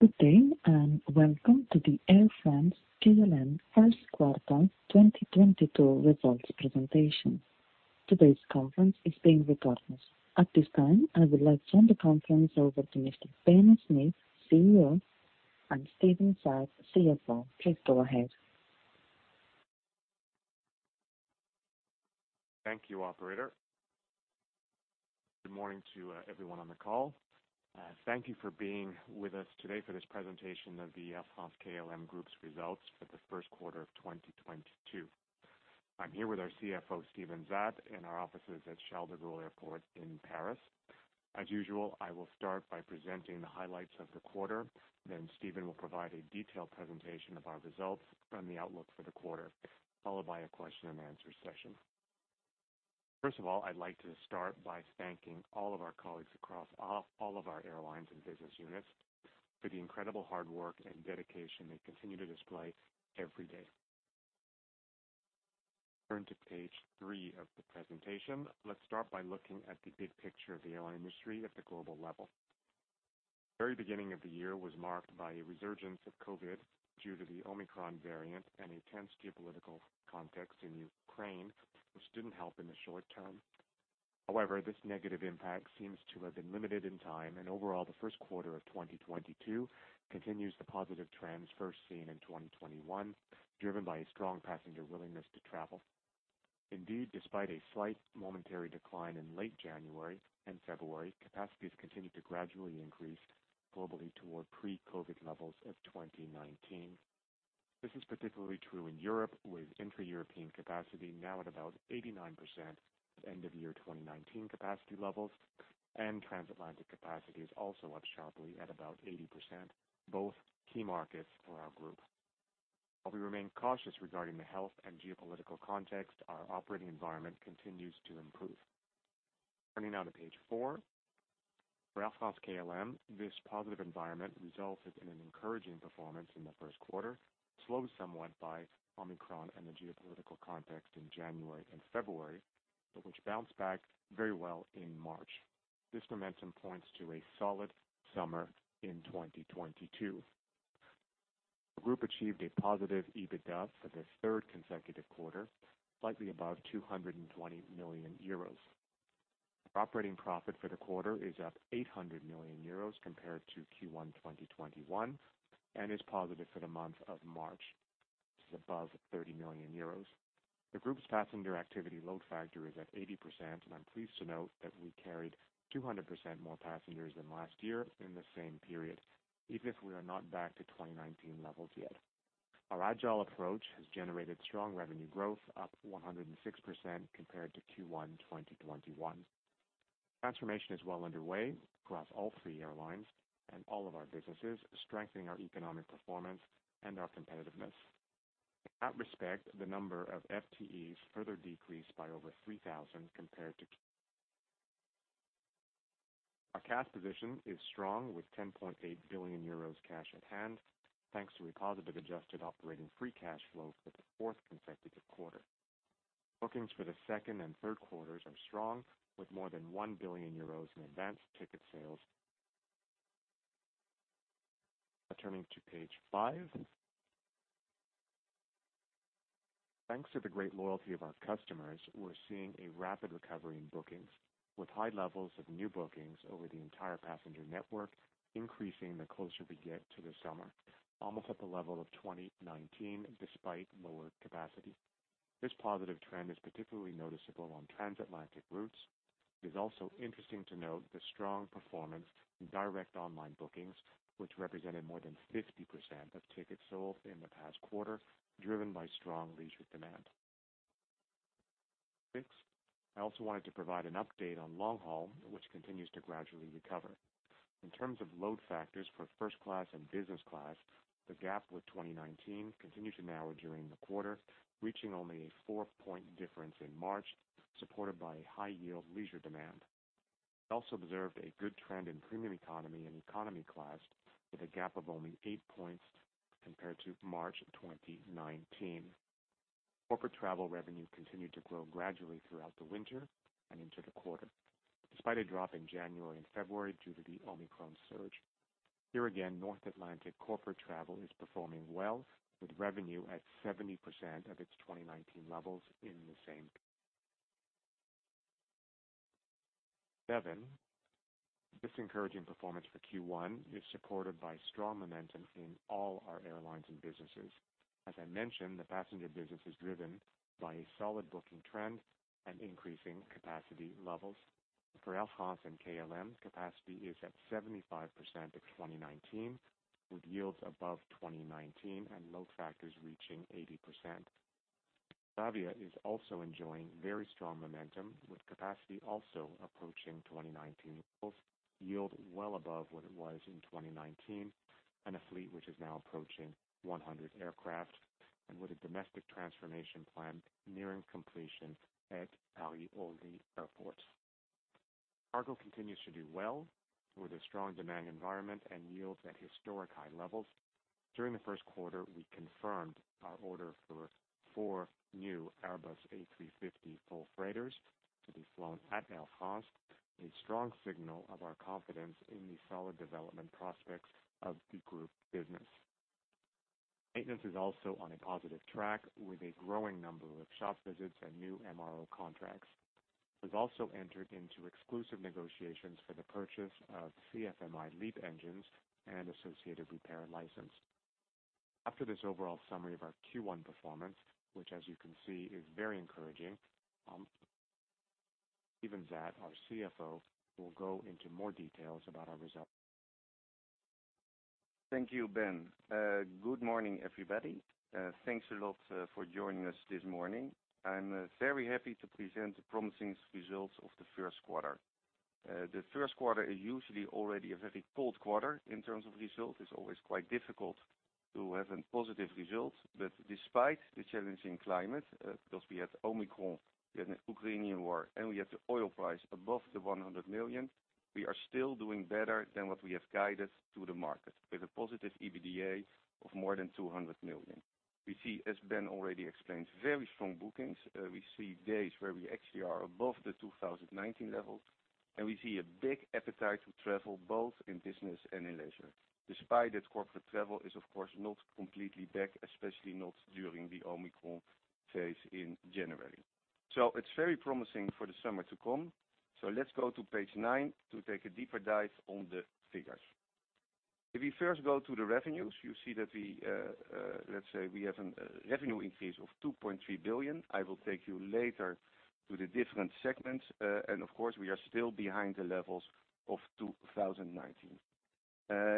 Good day, and welcome to the Air France-KLM first quarter 2022 results presentation. Today's conference is being recorded. At this time, I would like to turn the conference over to Mr. Benjamin Smith, CEO, and Steven Zaat, CFO. Please go ahead. Thank you, operator. Good morning to everyone on the call. Thank you for being with us today for this presentation of the Air France-KLM Group's results for the first quarter of 2022. I'm here with our CFO, Steven Zaat, in our offices at Charles de Gaulle Airport in Paris. As usual, I will start by presenting the highlights of the quarter, then Steven will provide a detailed presentation of our results and the outlook for the quarter, followed by a question-and-answer session. First of all, I'd like to start by thanking all of our colleagues across all of our airlines and business units for the incredible hard work and dedication they continue to display every day. Turn to page three of the presentation. Let's start by looking at the big picture of the airline industry at the global level. Very beginning of the year was marked by a resurgence of COVID due to the Omicron variant and intense geopolitical context in Ukraine, which didn't help in the short term. However, this negative impact seems to have been limited in time, and overall, the first quarter of 2022 continues the positive trends first seen in 2021, driven by a strong passenger willingness to travel. Indeed, despite a slight momentary decline in late January and February, capacities continued to gradually increase globally toward pre-COVID levels of 2019. This is particularly true in Europe, with intra-European capacity now at about 89% of end of year 2019 capacity levels, and transatlantic capacity is also up sharply at about 80%, both key markets for our group. While we remain cautious regarding the health and geopolitical context, our operating environment continues to improve. Turning now to page four. For Air France-KLM, this positive environment resulted in an encouraging performance in the first quarter, slowed somewhat by Omicron and the geopolitical context in January and February, but which bounced back very well in March. This momentum points to a solid summer in 2022. The group achieved a positive EBITDA for the third consecutive quarter, slightly above 220 million euros. Operating profit for the quarter is up 800 million euros compared to Q1 2021, and is positive for the month of March. This is above 30 million euros. The group's passenger activity load factor is at 80%, and I'm pleased to note that we carried 200% more passengers than last year in the same period, even if we are not back to 2019 levels yet. Our agile approach has generated strong revenue growth, up 106% compared to Q1 2021. Transformation is well underway across all three airlines and all of our businesses, strengthening our economic performance and our competitiveness. In that respect, the number of FTEs further decreased by over 3,000 compared to. Our cash position is strong, with 10.8 billion euros cash at hand, thanks to a positive adjusted operating free cash flow for the fourth consecutive quarter. Bookings for the second and third quarters are strong, with more than 1 billion euros in advanced ticket sales. Turning to page five. Thanks to the great loyalty of our customers, we're seeing a rapid recovery in bookings, with high levels of new bookings over the entire passenger network, increasing the closer we get to the summer, almost at the level of 2019 despite lower capacity. This positive trend is particularly noticeable on transatlantic routes. It is also interesting to note the strong performance in direct online bookings, which represented more than 50% of tickets sold in the past quarter, driven by strong leisure demand. Six, I also wanted to provide an update on long haul, which continues to gradually recover. In terms of load factors for first class and business class, the gap with 2019 continued to narrow during the quarter, reaching only a four point difference in March, supported by a high yield leisure demand. We also observed a good trend in premium economy and economy class, with a gap of only eight points compared to March 2019. Corporate travel revenue continued to grow gradually throughout the winter and into the quarter, despite a drop in January and February due to the Omicron surge. Here again, North Atlantic corporate travel is performing well, with revenue at 70% of its 2019 levels in the same period. This encouraging performance for Q1 is supported by strong momentum in all our airlines and businesses. As I mentioned, the passenger business is driven by a solid booking trend and increasing capacity levels. For Air France and KLM, capacity is at 75% of 2019, with yields above 2019 and load factors reaching 80%. Transavia is also enjoying very strong momentum, with capacity also approaching 2019 levels, yield well above what it was in 2019, and a fleet which is now approaching 100 aircraft, and with a domestic transformation plan nearing completion at Paris Orly Airport. Cargo continues to do well with a strong demand environment and yields at historic high levels. During the first quarter, we confirmed our order for four new Airbus A350 full freighters to be flown at Air France, a strong signal of our confidence in the solid development prospects of the group business. Maintenance is also on a positive track with a growing number of shop visits and new MRO contracts. We have also entered into exclusive negotiations for the purchase of CFM LEAP engines and associated repair and license. After this overall summary of our Q1 performance, which as you can see, is very encouraging, and then our CFO will go into more details about our results. Thank you, Ben. Good morning, everybody. Thanks a lot for joining us this morning. I'm very happy to present the promising results of the first quarter. The first quarter is usually already a very cold quarter in terms of result. It's always quite difficult to have a positive result. Despite the challenging climate, because we have Omicron, we have a Ukrainian war, and we have the oil price above $100 million, we are still doing better than what we have guided to the market with a positive EBITDA of more than 200 million. We see, as Ben already explained, very strong bookings. We see days where we actually are above the 2019 levels, and we see a big appetite to travel both in business and in leisure. Despite that corporate travel is of course not completely back, especially not during the Omicron phase in January. It's very promising for the summer to come. Let's go to page nine to take a deeper dive on the figures. If you first go to the revenues, you see that we, let's say we have a revenue increase of 2.3 billion. I will take you later to the different segments. And of course, we are still behind the levels of 2019.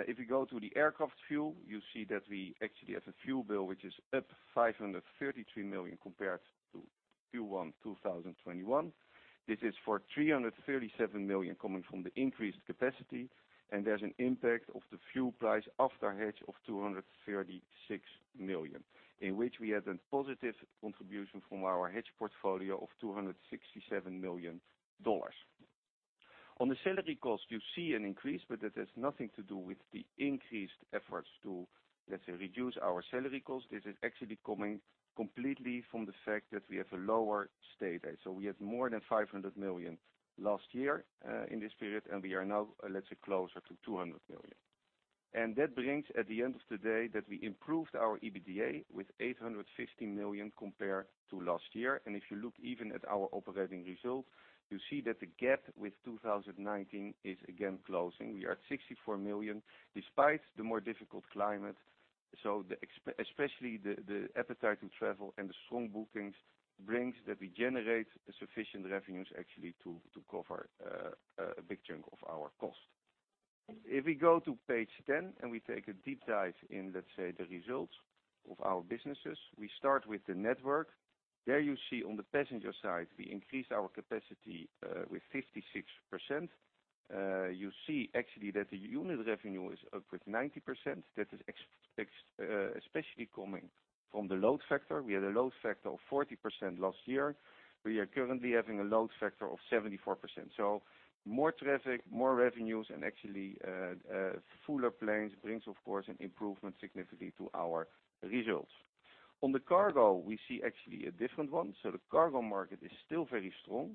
If you go to the aircraft fuel, you see that we actually have a fuel bill which is up 533 million compared to Q1 2021. This is for 337 million coming from the increased capacity, and there's an impact of the fuel price after hedge of 236 million, in which we have a positive contribution from our hedge portfolio of $267 million. On the salary cost, you see an increase, but that has nothing to do with the increased efforts to, let's say, reduce our salary costs. This is actually coming completely from the fact that we have a lower state aid. We have more than 500 million last year in this period, and we are now, let's say, closer to 200 million. And that brings at the end of the day that we improved our EBITDA with 850 million compared to last year. If you look even at our operating results, you see that the gap with 2019 is again closing. We are at 64 million despite the more difficult climate. Especially the appetite to travel and the strong bookings bring that we generate sufficient revenues actually to cover a big chunk of our cost. If we go to page 10 and we take a deep dive in, let's say, the results of our businesses, we start with the network. There you see on the passenger side, we increased our capacity with 56%. You see actually that the unit revenue is up with 90%. That is especially coming from the load factor. We had a load factor of 40% last year. We are currently having a load factor of 74%. More traffic, more revenues, and actually fuller planes brings, of course, an improvement significantly to our results. On the cargo, we see actually a different one. So the cargo market is still very strong.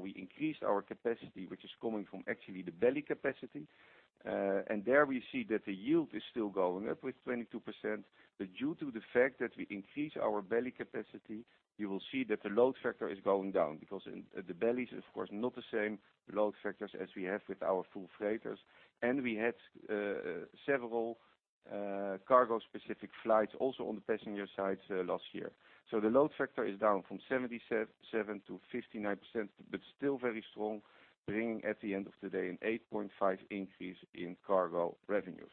We increased our capacity, which is coming from actually the belly capacity. And there we see that the yield is still going up with 22%. Due to the fact that we increase our belly capacity, you will see that the load factor is going down because in the bellies, of course, not the same load factors as we have with our full freighters. We had several cargo-specific flights also on the passenger side last year. So the load factor is down from 77% to 59%, but still very strong, bringing at the end of the day an 8.5% increase in cargo revenues.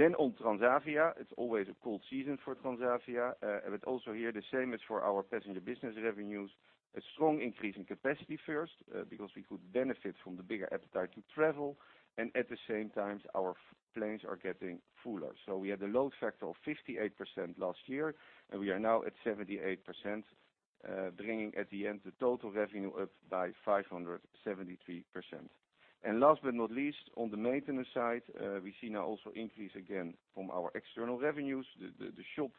On Transavia, it's always a low season for Transavia. But also here, the same as for our passenger business revenues, a strong increase in capacity first, because we could benefit from the bigger appetite to travel, and at the same time, our planes are getting fuller. We had a load factor of 58% last year, and we are now at 78%, bringing at the end the total revenue up by 573%. Last but not least, on the maintenance side, we see now also increase again from our external revenues. The shop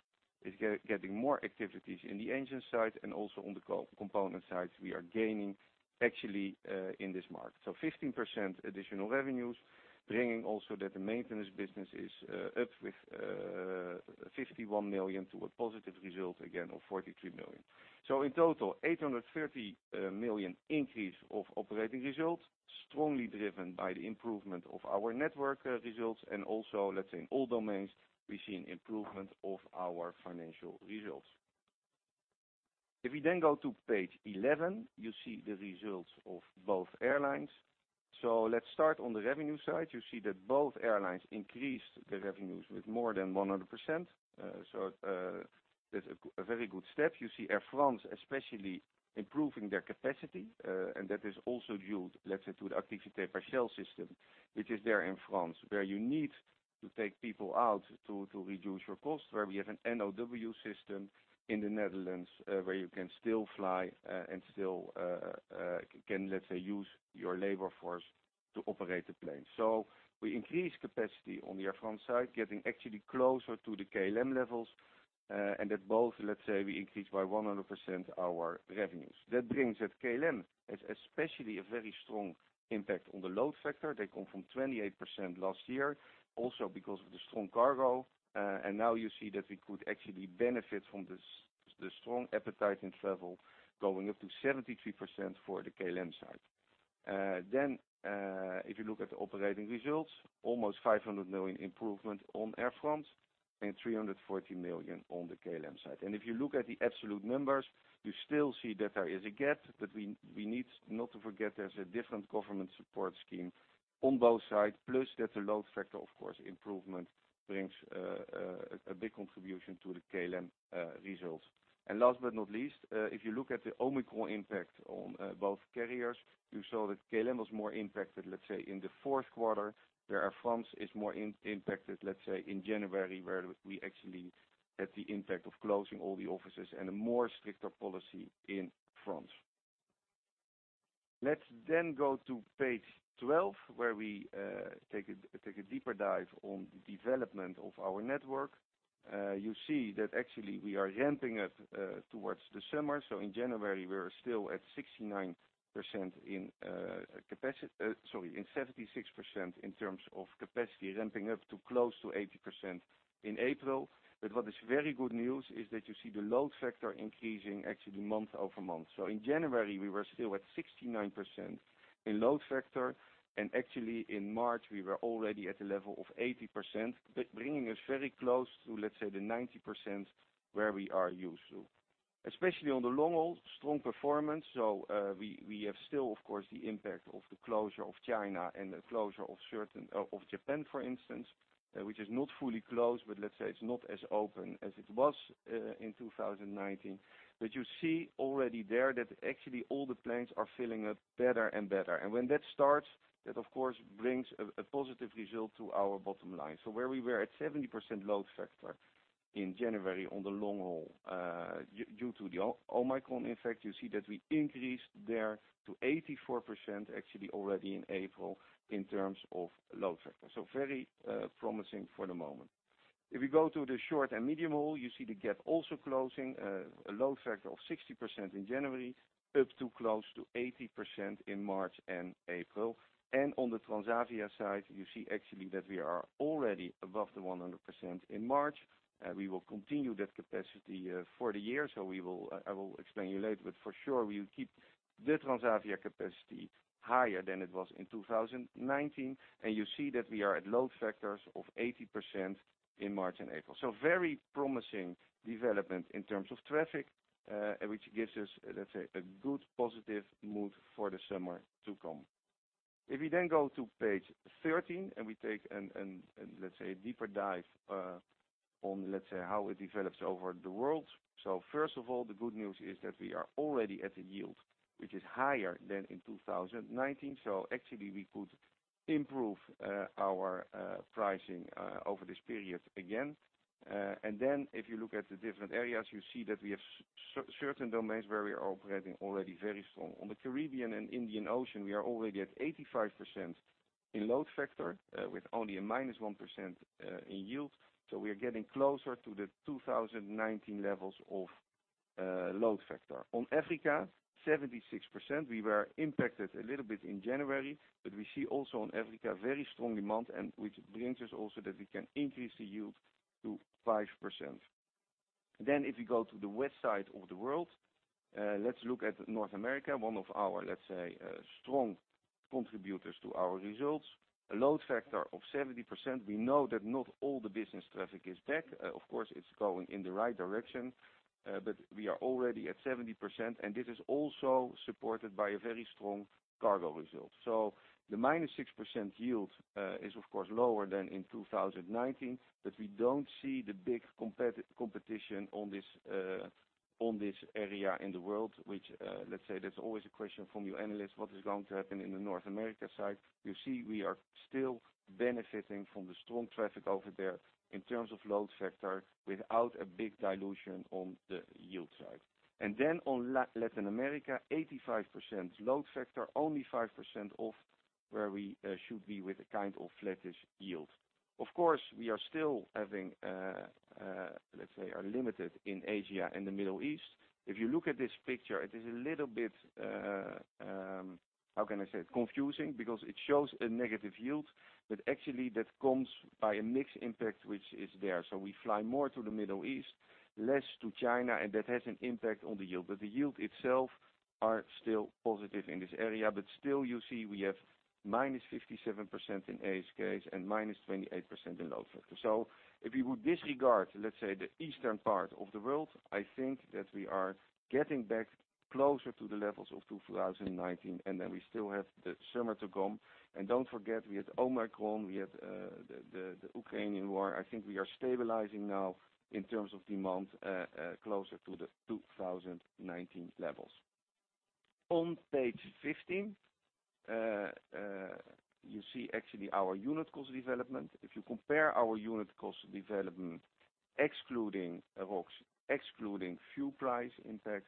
is getting more activities in the engine side and also on the component sides we are gaining actually in this market. So 15% additional revenues, bringing also that the maintenance business is up with 51 million to a positive result again of 43 million. In total, 830 million increase of operating results, strongly driven by the improvement of our network results and also, let's say in all domains, we see an improvement of our financial results. If we then go to page 11, you see the results of both airlines. Let's start on the revenue side. You see that both airlines increased the revenues with more than 100%. That's a very good step. You see Air France especially improving their capacity, and that is also due, let's say, to the Activité Partielle system, which is there in France, where you need to take people out to reduce your costs, where we have a NOW system in the Netherlands, where you can still fly and still can, let's say, use your labor force to operate the plane. We increase capacity on the Air France side, getting actually closer to the KLM levels, and that both, let's say, we increase by 100% our revenues. That brings at KLM, it's especially a very strong impact on the load factor. They come from 28% last year, also because of the strong cargo. Now you see that we could actually benefit from the strong appetite in travel going up to 73% for the KLM side. Then, if you look at the operating results, almost 500 million improvement on Air France and 340 million on the KLM side. If you look at the absolute numbers, you still see that there is a gap, but we need not to forget there's a different government support scheme on both sides. Plus, that the load factor, of course, improvement brings a big contribution to the KLM results. Last but not least, if you look at the Omicron impact on both carriers, you saw that KLM was more impacted, let's say, in the fourth quarter, where Air France is more impacted, let's say, in January, where we actually had the impact of closing all the offices and a more stricter policy in France. Let's then go to page 12, where we take a deeper dive on the development of our network. You see that actually we are ramping up towards the summer. So in January, we're still at 69% in capacity, sorry, in 76% in terms of capacity, ramping up to close to 80% in April. What is very good news is that you see the load factor increasing actually month-over-month. In January, we were still at 69% in load factor, and actually in March, we were already at a level of 80%, bringing us very close to, let's say, the 90% where we are used to. Especially on the long-haul, strong performance. We have still, of course, the impact of the closure of China and the closure of certain of Japan, for instance, which is not fully closed, but let's say it's not as open as it was in 2019. You see already there that actually all the planes are filling up better and better. When that starts, that of course brings a positive result to our bottom line. Where we were at 70% load factor in January on the long-haul, due to the Omicron effect, you see that we increased there to 84% actually already in April in terms of load factor. Very promising for the moment. If you go to the short and medium haul, you see the gap also closing, a load factor of 60% in January, up to close to 80% in March and April. On the Transavia side, you see actually that we are already above the 100% in March. We will continue that capacity for the year. We will, I will explain to you later, but for sure, we will keep the Transavia capacity higher than it was in 2019. You see that we are at load factors of 80% in March and April. Very promising development in terms of traffic, which gives us, let's say, a good positive mood for the summer to come. If you then go to page 13 and we take, let's say, a deeper dive on, let's say, how it develops over the world. So, first of all, the good news is that we are already at a yield which is higher than in 2019. Actually, we could improve our pricing over this period again. And then if you look at the different areas, you see that we have certain domains where we are operating already very strong. On the Caribbean and Indian Ocean, we are already at 85% in load factor, with only a -1% in yield. We are getting closer to the 2019 levels of load factor. On Africa, 76%, we were impacted a little bit in January, but we see also on Africa very strong demand and which brings us also that we can increase the yield to 5%. Then if you go to the west side of the world, let's look at North America, one of our, let's say, strong contributors to our results. A load factor of 70%. We know that not all the business traffic is back. Of course, it's going in the right direction, but we are already at 70%, and this is also supported by a very strong cargo result. The -6% yield is of course lower than in 2019, but we don't see the big competition on this area in the world, which, let's say there's always a question from you analysts, what is going to happen in the North America side. You see, we are still benefiting from the strong traffic over there in terms of load factor without a big dilution on the yield side. And then on Latin America, 85% load factor, only 5% of where we should be with a kind of flattish yield. Of course, we are still having, let's say, are limited in Asia and the Middle East. If you look at this picture, it is a little bit, how can I say, confusing because it shows a negative yield, but actually that comes by a mixed impact which is there. We fly more to the Middle East, less to China, and that has an impact on the yield. The yield itself are still positive in this area. Still, you see we have minus 57% in ASK and -28% in load factor. If you would disregard, let's say, the eastern part of the world, I think that we are getting back closer to the levels of 2019, and then we still have the summer to come. Don't forget, we had Omicron, we had the Ukrainian war. I think we are stabilizing now in terms of demand, closer to the 2019 levels. On page 15, you see actually our unit cost development. If you compare our unit cost development, excluding ForEx, excluding fuel price impact,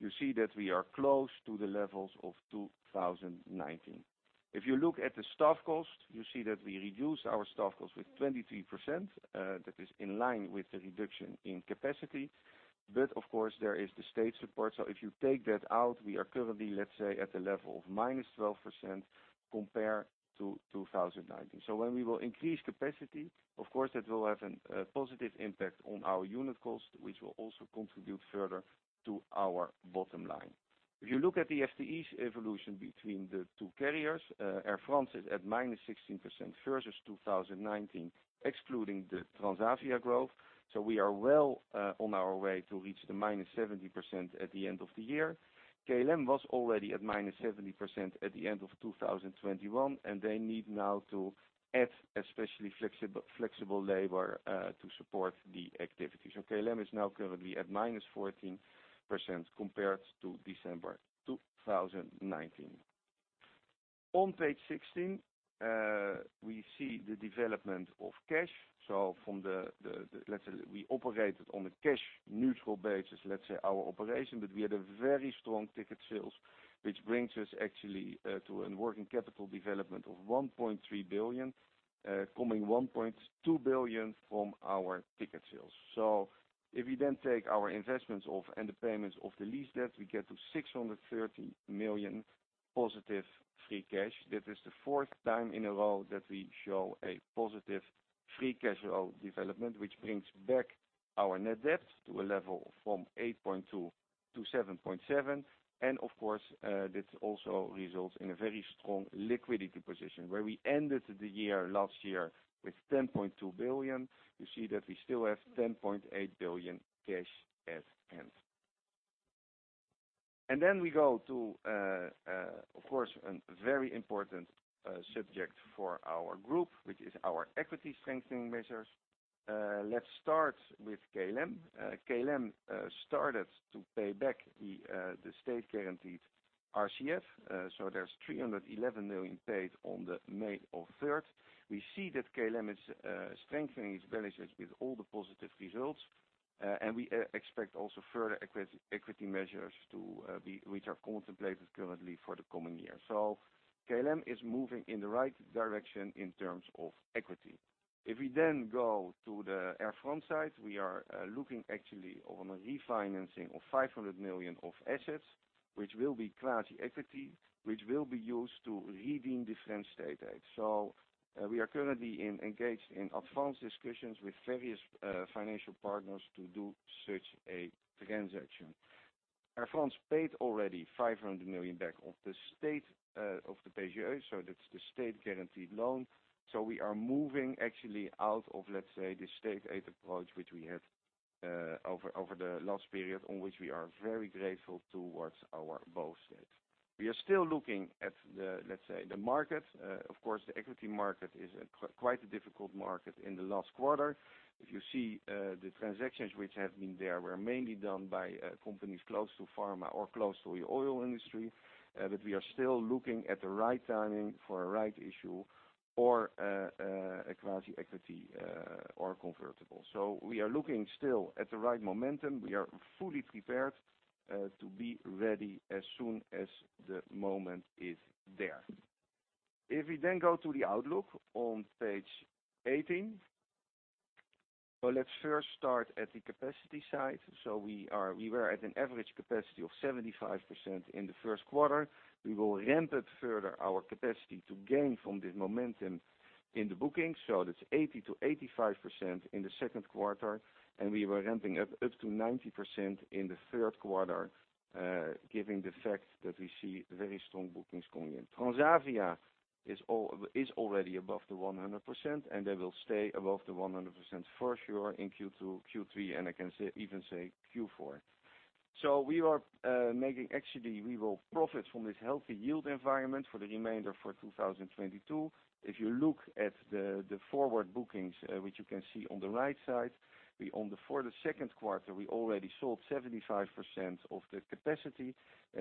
you see that we are close to the levels of 2019. If you look at the staff cost, you see that we reduce our staff cost with 23%, that is in line with the reduction in capacity. Of course, there is the state support. If you take that out, we are currently, let's say, at the level of -12% compared to 2019. So, when we will increase capacity, of course, that will have a positive impact on our unit cost, which will also contribute further to our bottom line. If you look at the FTEs evolution between the two carriers, Air France is at -16% versus 2019, excluding the Transavia growth. So, we are well on our way to reach the -70% at the end of the year. KLM was already at -70% at the end of 2021, and they need now to add especially flexible labor to support the activities. KLM is now currently at -14% compared to December 2019. On page 16, we see the development of cash. From the, we operated on a cash neutral basis, our operation, but we had a very strong ticket sales, which brings us actually to a working capital development of 1.3 billion, coming 1.2 billion from our ticket sales. So, if you then take our investments of, and the payments of the lease debt, we get to 630 million positive free cash. That is the fourth time in a row that we show a positive free cash flow development, which brings back our net debt to a level from 8.2 billion to 7.7 billion. And of course, that also results in a very strong liquidity position. Where we ended the year last year with 10.2 billion. You see that we still have 10.8 billion cash at hand. And then we go to, of course, a very important subject for our group, which is our equity strengthening measures. Let's start with KLM. KLM started to pay back the state-guaranteed RCF, so there's 311 million paid on May 3rd. We see that KLM is strengthening its balances with all the positive results, and we expect also further equity measures to be, which are contemplated currently for the coming year. KLM is moving in the right direction in terms of equity. If we then go to the Air France side, we are looking actually on a refinancing of 500 million of assets, which will be quasi equity, which will be used to redeem the French state aid. We are currently engaged in advanced discussions with various financial partners to do such a transaction. Air France paid already 500 million back of the state of the PGE, so that's the state-guaranteed loan. We are moving actually out of, let's say, the state aid approach, which we had over the last period on which we are very grateful towards our both states. We are still looking at the, let's say, the market. Of course, the equity market is quite a difficult market in the last quarter. If you see, the transactions which have been there were mainly done by companies close to pharma or close to the oil industry, but we are still looking at the right timing for a rights issue or a class equity or convertible. We are looking still at the right momentum. We are fully prepared to be ready as soon as the moment is there. If we go to the outlook on page 18. Let's first start at the capacity side. We were at an average capacity of 75% in the first quarter. We will ramp it further our capacity to gain from the momentum in the booking. That's 80% to 85% in the second quarter, and we were ramping up to 90% in the third quarter, given the fact that we see very strong bookings coming in. Transavia is already above the 100%, and they will stay above the 100% for sure in Q2, Q3, and I can even say Q4. So we are making actually, we will profit from this healthy yield environment for the remainder of 2022. If you look at the forward bookings, which you can see on the right side. For the second quarter, we already sold 75% of the capacity,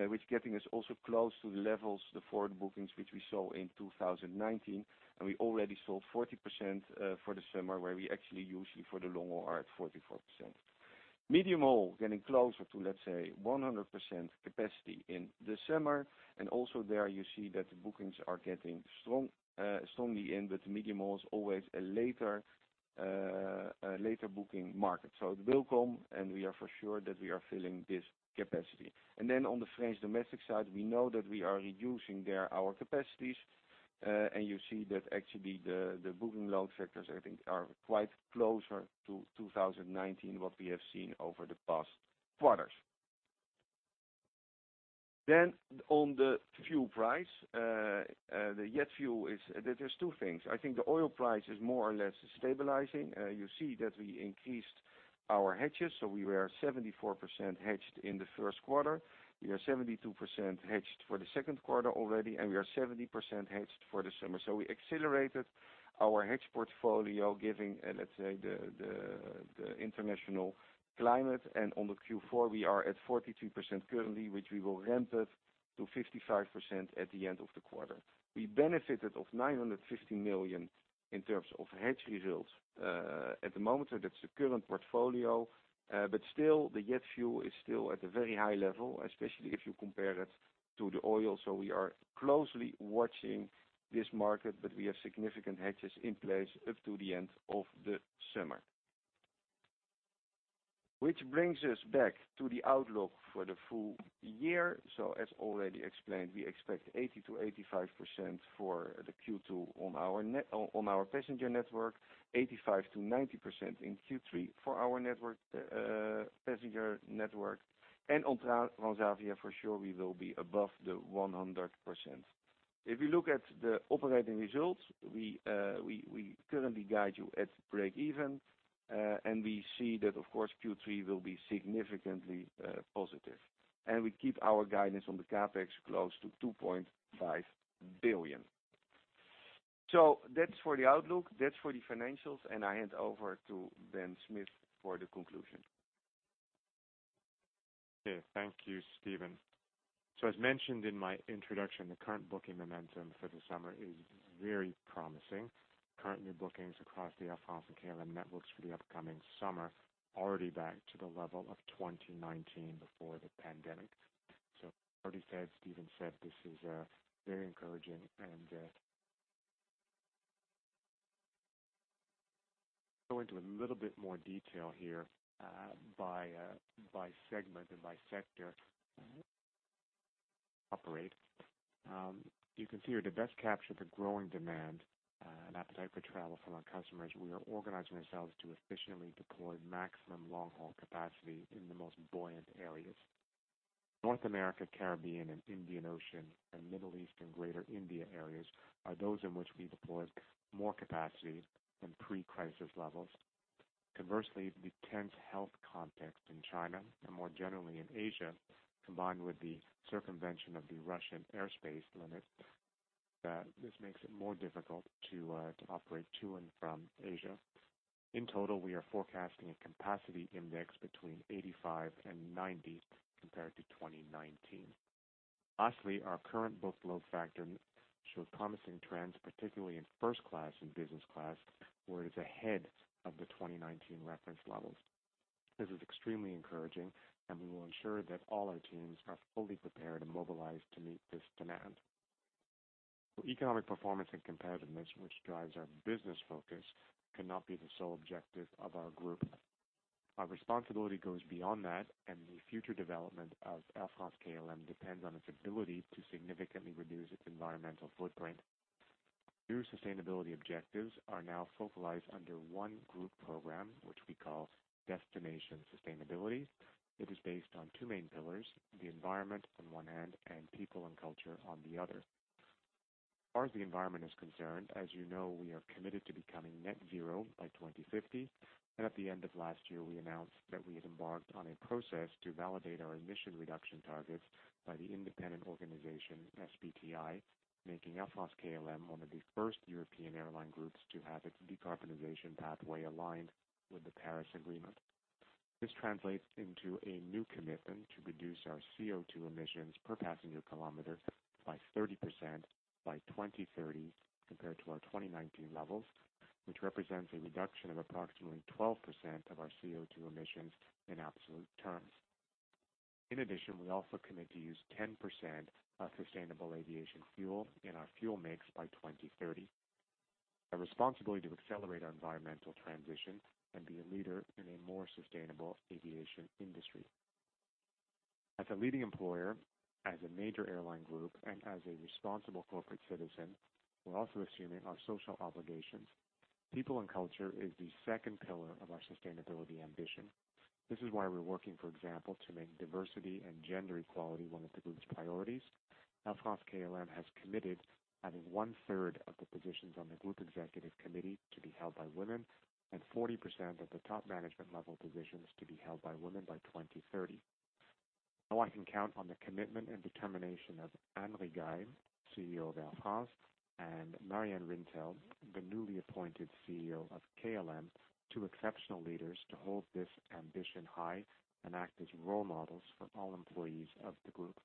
which is getting us also close to the levels, the forward bookings, which we saw in 2019, and we already sold 40% for the summer, where we actually usually for the long haul are at 44%. Medium haul getting closer to, let's say, 100% capacity in the summer. Also there you see that the bookings are getting strong, strongly, but the medium haul is always a later booking market. So it will come and we are for sure that we are filling this capacity. And then on the French domestic side, we know that we are reducing there our capacities. You see that actually the booking load factors, I think, are quite closer to 2019 than what we have seen over the past quarters. And on the fuel price, the jet fuel is, there's two things. I think the oil price is more or less stabilizing. You see that we increased our hedges, so we were 74% hedged in the first quarter. We are 72% hedged for the second quarter already, and we are 70% hedged for the summer. So we accelerated our hedge portfolio giving, let's say, the international climate. On the Q4, we are at 42% currently, which we will ramp it to 55% at the end of the quarter. We benefited of 950 million in terms of hedge results. At the moment, that's the current portfolio, but still the jet fuel is at a very high level, especially if you compare it to the oil. We are closely watching this market, but we have significant hedges in place up to the end of the summer. Which brings us back to the outlook for the full year. So as already explained, we expect 80% to 85% for the Q2 on our passenger network, 85% to 90% in Q3 for our network, passenger network. On Transavia for sure we will be above the 100%. If you look at the operating results, we currently guide you at breakeven, and we see that of course Q3 will be significantly positive. And we keep our guidance on the CapEx close to 2.5 billion. So that's for the outlook, that's for the financials, and I hand over to Benjamin Smith for the conclusion. Okay, thank you, Steven. As mentioned in my introduction, the current booking momentum for the summer is very promising. Currently, bookings across the Air France-KLM networks for the upcoming summer already back to the level of 2019 before the pandemic. As already said, Steven said, this is very encouraging. Go into a little bit more detail here, by segment and by sector operated. You can see here this best captures the growing demand and appetite for travel from our customers. We are organizing ourselves to efficiently deploy maximum long-haul capacity in the most buoyant areas. North America, Caribbean, and Indian Ocean, and Middle East and Greater India areas are those in which we deploy more capacity than pre-crisis levels. Conversely, the tense health context in China, and more generally in Asia, combined with the circumvention of the Russian airspace limits, makes it more difficult to operate to and from Asia. In total, we are forecasting a capacity index between 85 and 90 compared to 2019. Lastly, our current book load factor shows promising trends, particularly in first class and business class, where it is ahead of the 2019 reference levels. This is extremely encouraging, and we will ensure that all our teams are fully prepared and mobilized to meet this demand. Economic performance and competitiveness, which drives our business focus, cannot be the sole objective of our group. Our responsibility goes beyond that, and the future development of Air France-KLM depends on its ability to significantly reduce its environmental footprint. New sustainability objectives are now focused under one group program, which we call Destination Sustainability. It is based on two main pillars, the environment on one hand and people and culture on the other. As far as the environment is concerned, as you know, we are committed to becoming net zero by 2050. At the end of last year, we announced that we had embarked on a process to validate our emission reduction targets by the independent organization SBTi, making Air France-KLM one of the first European airline groups to have its decarbonization pathway aligned with the Paris Agreement. This translates into a new commitment to reduce our CO2 emissions per passenger kilometer by 30% by 2030 compared to our 2019 levels, which represents a reduction of approximately 12% of our CO2 emissions in absolute terms. In addition, we also commit to use 10% of sustainable aviation fuel in our fuel mix by 2030. A responsibility to accelerate our environmental transition and be a leader in a more sustainable aviation industry. As a leading employer, as a major airline group, and as a responsible corporate citizen, we're also assuming our social obligations. People and culture is the second pillar of our sustainability ambition. This is why we're working, for example, to make diversity and gender equality one of the group's priorities. Air France-KLM has committed having one-third of the positions on the group executive committee to be held by women and 40% of the top management level positions to be held by women by 2030. I can count on the commitment and determination of Anne Rigail, CEO of Air France, and Marjan Rintel, the newly appointed CEO of KLM, two exceptional leaders to hold this ambition high and act as role models for all employees of the group.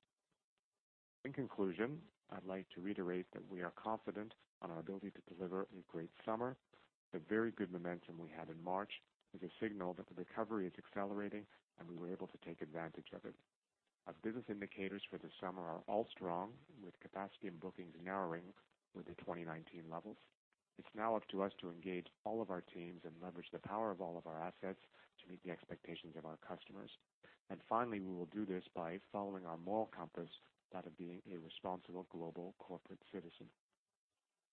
In conclusion, I'd like to reiterate that we are confident on our ability to deliver a great summer. The very good momentum we had in March is a signal that the recovery is accelerating, and we were able to take advantage of it. Our business indicators for the summer are all strong, with capacity and bookings narrowing with the 2019 levels. It's now up to us to engage all of our teams and leverage the power of all of our assets to meet the expectations of our customers. And finally, we will do this by following our moral compass, that of being a responsible global corporate citizen.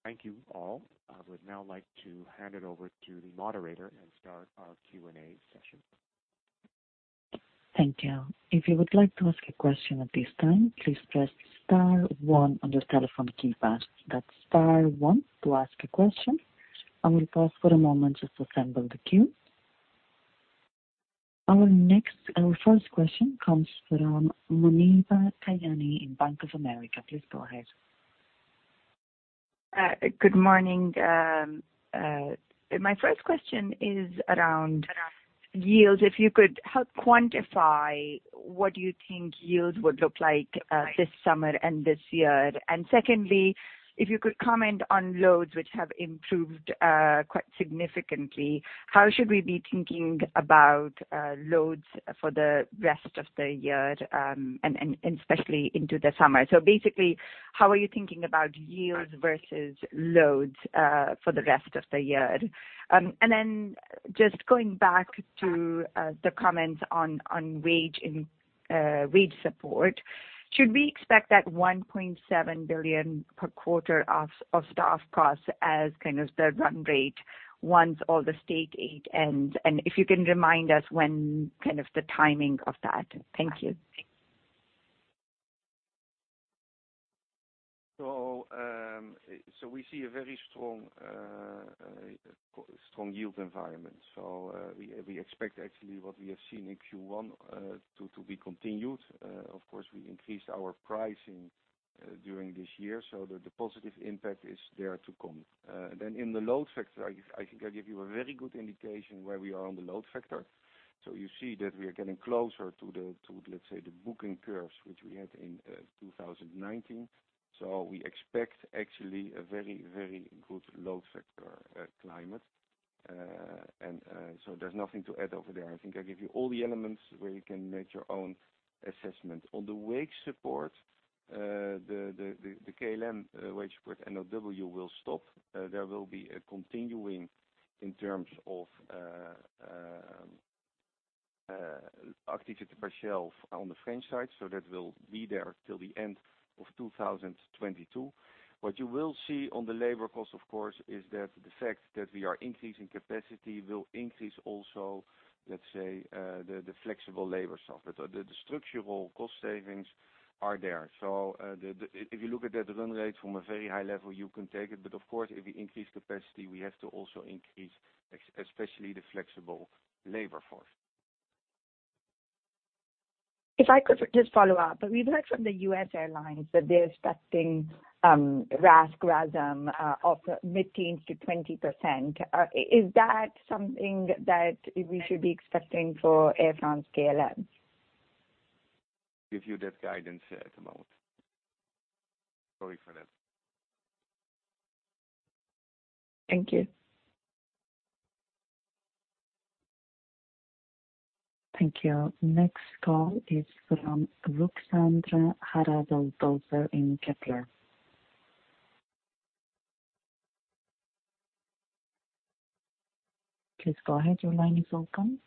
Thank you all. I would now like to hand it over to the moderator and start our Q&A session. Thank you. If you would like to ask a question at this time, please press star one on your telephone keypad. That's star one to ask a question. I will pause for a moment just to assemble the queue. Our first question comes from Muneeba Kayani in Bank of America. Please go ahead. Good morning. My first question is around yields. If you could help quantify what you think yields would look like this summer and this year. And secondly, if you could comment on loads which have improved quite significantly. How should we be thinking about loads for the rest of the year, and especially into the summer? Basically, how are you thinking about yields versus loads for the rest of the year? Then just going back to the comments on wage and wage support. Should we expect that 1.7 billion per quarter of staff costs as kind of the run rate once all the state aid ends? If you can remind us when kind of the timing of that? Thank you. So we see a very strong yield environment. We expect actually what we have seen in Q1 to be continued. Of course, we increased our pricing during this year, so the positive impact is there to come. In the load factor, I think I give you a very good indication where we are on the load factor. You see that we are getting closer to let's say the booking curves which we had in 2019. We expect actually a very, very good load factor climate. There's nothing to add over there. I think I give you all the elements where you can make your own assessment. On the wage support, the KLM wage support NOW will stop. There will be a continuation in terms of Activité Partielle on the French side. That will be there till the end of 2022. What you will see on the labor cost, of course, is that the fact that we are increasing capacity will increase also, let's say, the flexible labor staff. The structural cost savings are there. If you look at the run rate from a very high level, you can take it. Of course, if we increase capacity, we have to also increase especially the flexible labor force. If I could just follow up. We've heard from the U.S. airlines that they're expecting RASK, RASM of 15% to 20%. Is that something that we should be expecting for Air France-KLM? Give you that guidance at the moment. Sorry for that. Thank you. Thank you. Next call is from Ruxandra Haraszi in Kepler. Please go ahead. Your line is open.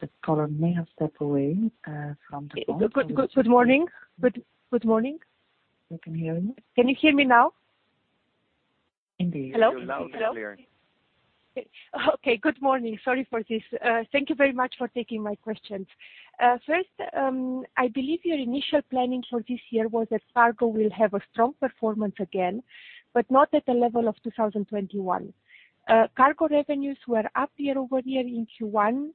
The caller may have stepped away from the call. Good morning. Good morning. We can hear you. Can you hear me now? Indeed. Hello? Hello? You're loud and clear. Okay. Good morning. Sorry for this. Thank you very much for taking my questions. First, I believe your initial planning for this year was that cargo will have a strong performance again, but not at the level of 2021. Cargo revenues were up year-over-year in Q1.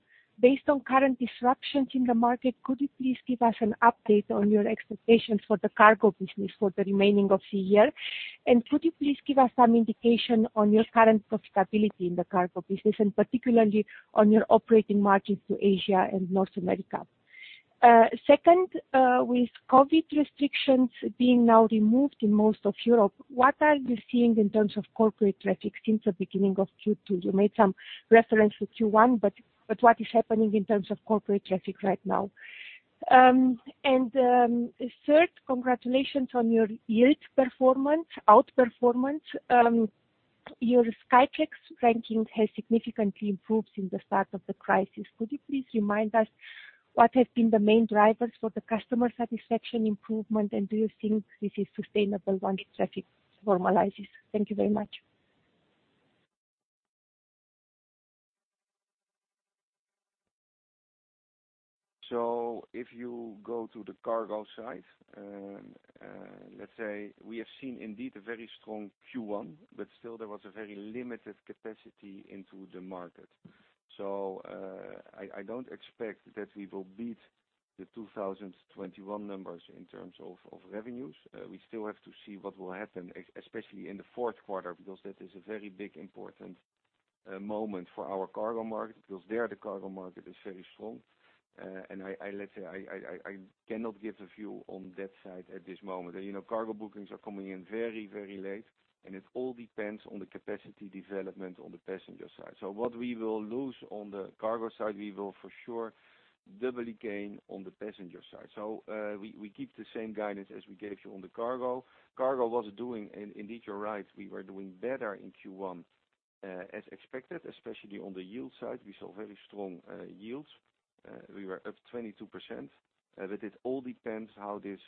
Based on current disruptions in the market, could you please give us an update on your expectations for the cargo business for the remaining of the year? And could you please give us some indication on your current profitability in the cargo business and particularly on your operating margin to Asia and North America? Second, with COVID restrictions being now removed in most of Europe, what are you seeing in terms of corporate traffic since the beginning of Q2? You made some reference to Q1, but what is happening in terms of corporate traffic right now? Third, congratulations on your yield performance, outperformance. Your Skytrax ranking has significantly improved since the start of the crisis. Could you please remind us what has been the main drivers for the customer satisfaction improvement, and do you think this is sustainable once traffic normalizes? Thank you very much. So if you go to the cargo side, let's say we have seen indeed a very strong Q1, but still there was a very limited capacity into the market. I don't expect that we will beat the 2021 numbers in terms of revenues. We still have to see what will happen, especially in the fourth quarter, because that is a very big important moment for our cargo market, because there the cargo market is very strong. I cannot give a view on that side at this moment. You know, cargo bookings are coming in very, very late, and it all depends on the capacity development on the passenger side. What we will lose on the cargo side, we will for sure doubly gain on the passenger side. So we keep the same guidance as we gave you on the cargo. Cargo was doing, and indeed, you're right, we were doing better in Q1, as expected, especially on the yield side. We saw very strong yields. We were up 22%. It all depends how this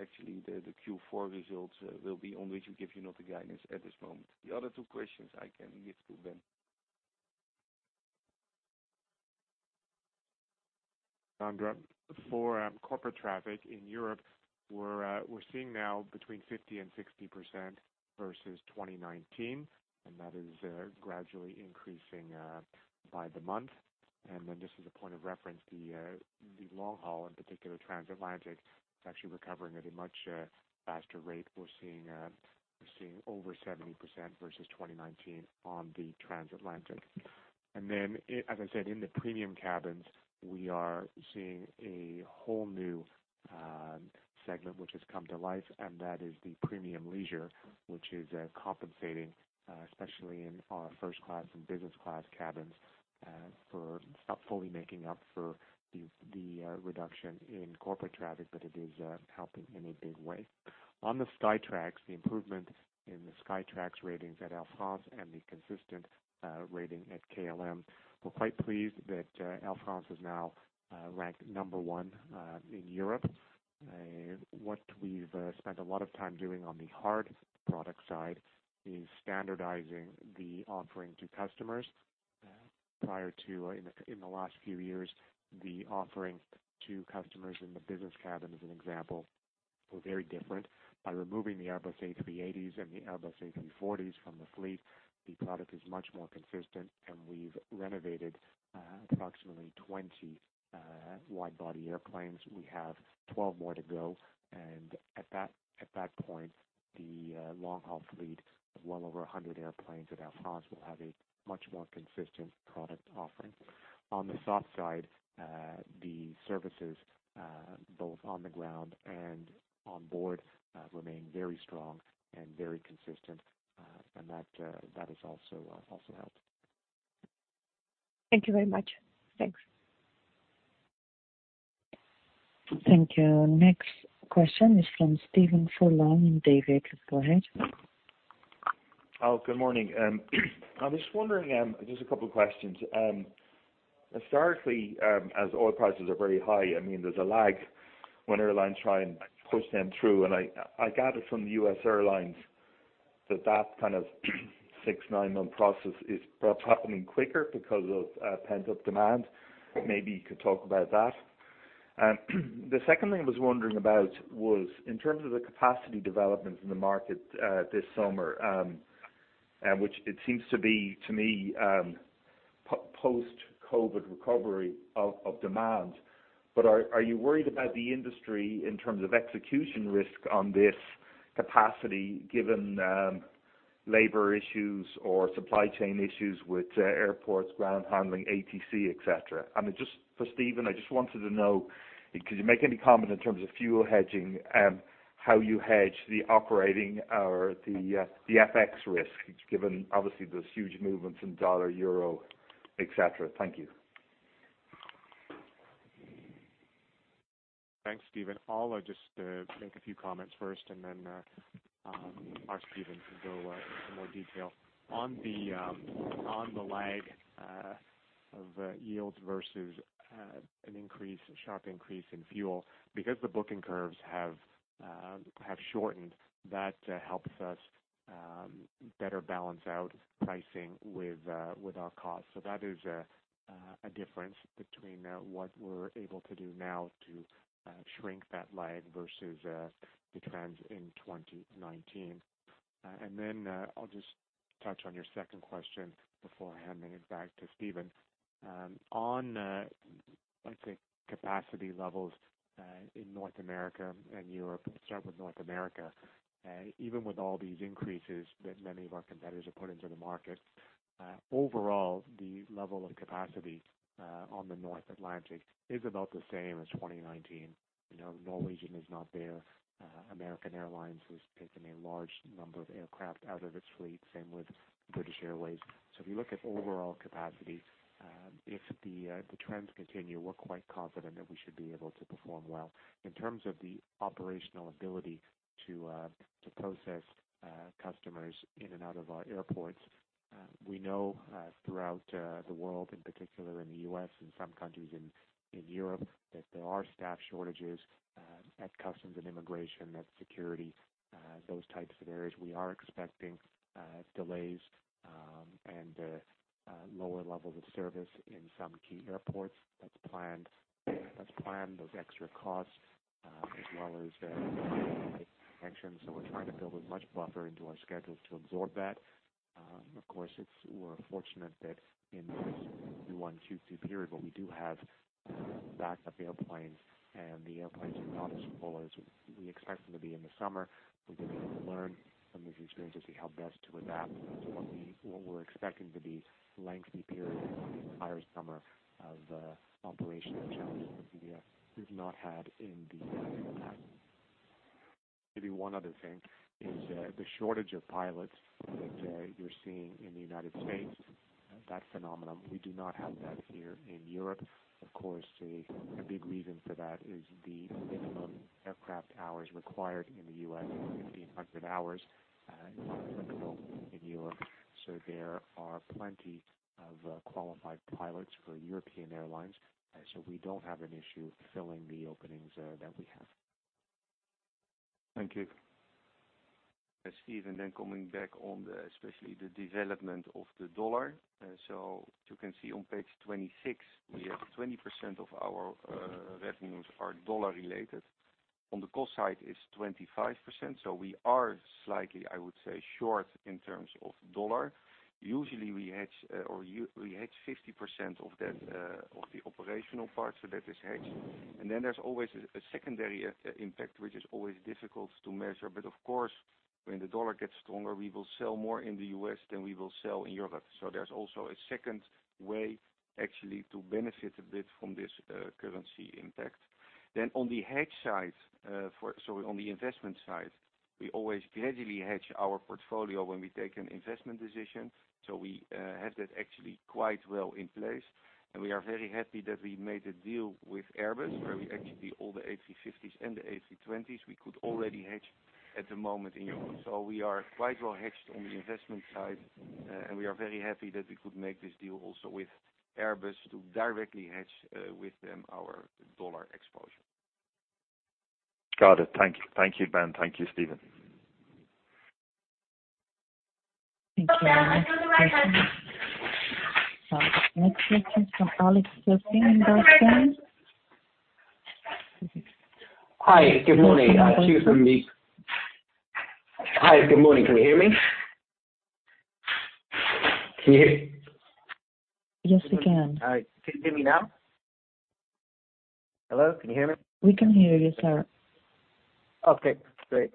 actually the Q4 results will be, on which we give you not a guidance at this moment. The other two questions I can give to Ben. Ruxandra, for corporate traffic in Europe, we're seeing now between 50% and 60% versus 2019, and that is gradually increasing by the month. Just as a point of reference, the long haul, in particular transatlantic, is actually recovering at a much faster rate. We're seeing over 70% versus 2019 on the transatlantic. Then, as I said, in the premium cabins, we are seeing a whole new segment which has come to life, and that is the premium leisure, which is compensating, especially in our first-class and business class cabins, for fully making up for the reduction in corporate traffic, but it is helping in a big way. On the Skytrax, the improvement in the Skytrax ratings at Air France and the consistent rating at KLM, we're quite pleased that Air France is now ranked number one in Europe. What we've spent a lot of time doing on the hard product side is standardizing the offering to customers. In the last few years, the offering to customers in the business cabin, as an example, were very different. By removing the Airbus A380s and the Airbus A340s from the fleet, the product is much more consistent, and we've renovated approximately 20 wide-body airplanes. We have 12 more to go, and at that point, the long-haul fleet of well over 100 airplanes at Air France will have a much more consistent product offering. On the soft side, the services both on the ground and on board remain very strong and very consistent, and that has also helped. Thank you very much. Thanks. Thank you. Next question is from Stephen Furlong in Deutsche Bank. Go ahead. Oh, good morning. I was just wondering, just a couple questions. Historically, as oil prices are very high, I mean, there's a lag when airlines try and push them through, and I gathered from the U.S. airlines that that kind of six to nine month process is perhaps happening quicker because of pent-up demand. Maybe you could talk about that. The second thing I was wondering about was in terms of the capacity development in the market, this summer, and which it seems to be to me, post-COVID recovery of demand, but are you worried about the industry in terms of execution risk on this capacity given labor issues or supply chain issues with airports, ground handling, ATC, et cetera? Just for Steven, I just wanted to know, could you make any comment in terms of fuel hedging, how you hedge the operating or the FX risk given obviously those huge movements in dollar/euro, et cetera? Thank you. Thanks, Stephen. I'll just make a few comments first, and then our Steven can go into more detail. On the lag of yields versus a sharp increase in fuel, because the booking curves have shortened, that helps us better balance out pricing with our costs. That is a difference between what we're able to do now to shrink that lag versus the trends in 2019. I'll just touch on your second question before handing it back to Steven. On capacity levels in North America and Europe, start with North America, even with all these increases that many of our competitors have put into the market, overall, the level of capacity on the North Atlantic is about the same as 2019. You know, Norwegian is not there. American Airlines has taken a large number of aircraft out of its fleet, same with British Airways. So if you look at overall capacity, if the trends continue, we're quite confident that we should be able to perform well. In terms of the operational ability to process customers in and out of our airports, we know throughout the world, in particular in the U.S. and some countries in Europe, that there are staff shortages at customs and immigration, at security, those types of areas. We are expecting delays and lower levels of service in some key airports. That's planned. Those extra costs as well as actions. We're trying to build as much buffer into our schedules to absorb that. Of course, we're fortunate that in this Q1, Q2 period, what we do have is backup airplanes, and the airplanes are not as full as we expect them to be in the summer. We're going to learn from this experience as to how best to adapt. What we're expecting to be lengthy period, the entire summer of operational challenges that we have, we've not had in the past. Maybe one other thing is the shortage of pilots that you're seeing in the United States, that phenomenon, we do not have that here in Europe. Of course, a big reason for that is the minimum aircraft hours required in the U.S. is 1,500 hours in Europe, so there are plenty of qualified pilots for European airlines. We don't have an issue filling the openings that we have. Thank you. Stephen, coming back on the, especially the development of the dollar. You can see on page 26, we have 20% of our revenues are dollar related. On the cost side, it's 25%. We are slightly, I would say, short in terms of dollar. Usually, we hedge 50% of that of the operational part, so that is hedged. There's always a secondary impact, which is always difficult to measure. But of course, when the dollar gets stronger, we will sell more in the U.S. than we will sell in Europe. There's also a second way actually to benefit a bit from this currency impact. On the investment side, we always gradually hedge our portfolio when we take an investment decision. So we have that actually quite well in place, and we are very happy that we made a deal with Airbus, where we hedged all the A350s and the A320s. We could already hedge At the moment in euros. We are quite well hedged on the investment side, and we are very happy that we could make this deal also with Airbus to directly hedge with them our dollar exposure. Got it. Thank you. Thank you, Ben. Thank you, Steven. Thank you very much. Next question from Alexander Irving, Bernstein. Hi. Good morning. Excuse the noise. Can you hear me? Yes, we can. All right. Can you hear me now? Hello, can you hear me? We can hear you, sir. Okay, great.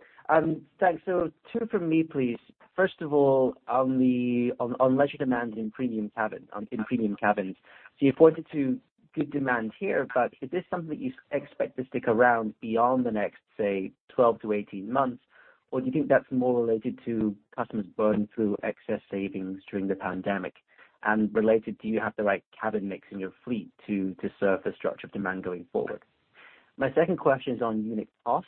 Thanks. Two from me, please. First of all, on leisure demand in premium cabin, in premium cabins. You pointed to good demand here, but is this something that you expect to stick around beyond the next, say, 12 to 18 months? Or do you think that's more related to customers burning through excess savings during the pandemic? Related, do you have the right cabin mix in your fleet to serve the structure of demand going forward? My second question is on unit cost.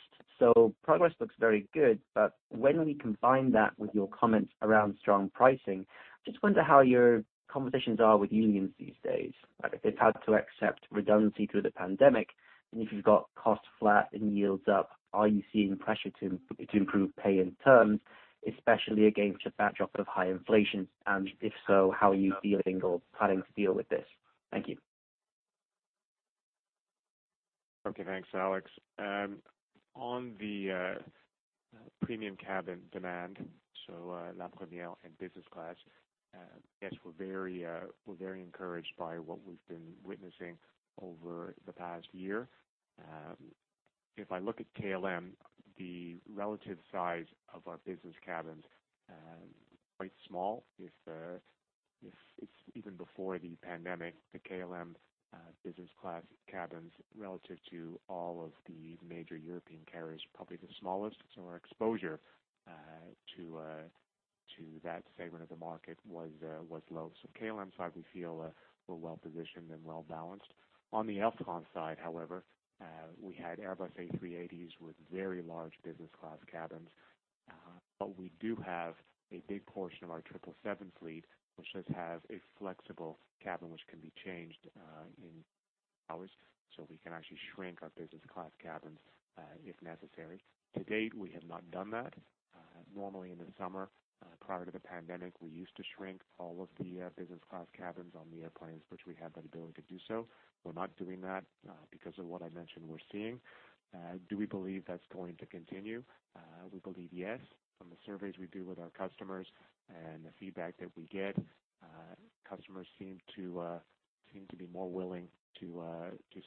Progress looks very good, but when we combine that with your comments around strong pricing, I just wonder how your conversations are with unions these days. If they've had to accept redundancy through the pandemic, and if you've got costs flat and yields up, are you seeing pressure to improve pay and terms, especially against a backdrop of high inflation? If so, how are you dealing or planning to deal with this? Thank you. Okay, thanks, Alex. On the premium cabin demand, so La Première and business class, yes, we're very encouraged by what we've been witnessing over the past year. If I look at KLM, the relative size of our business cabins quite small. If even before the pandemic, the KLM business class cabins relative to all of the major European carriers, probably the smallest. Our exposure to that segment of the market was low. KLM side, we feel we're well-positioned and well-balanced. On the Air France side, however, we had Airbus A380s with very large business class cabins. But we do have a big portion of our 777 fleet, which does have a flexible cabin which can be changed in hours. So we can actually shrink our business class cabins, if necessary. To date, we have not done that. Normally in the summer, prior to the pandemic, we used to shrink all of the business class cabins on the airplanes, which we had that ability to do so. We're not doing that, because of what I mentioned we're seeing. Do we believe that's going to continue? We believe yes. From the surveys we do with our customers and the feedback that we get, customers seem to be more willing to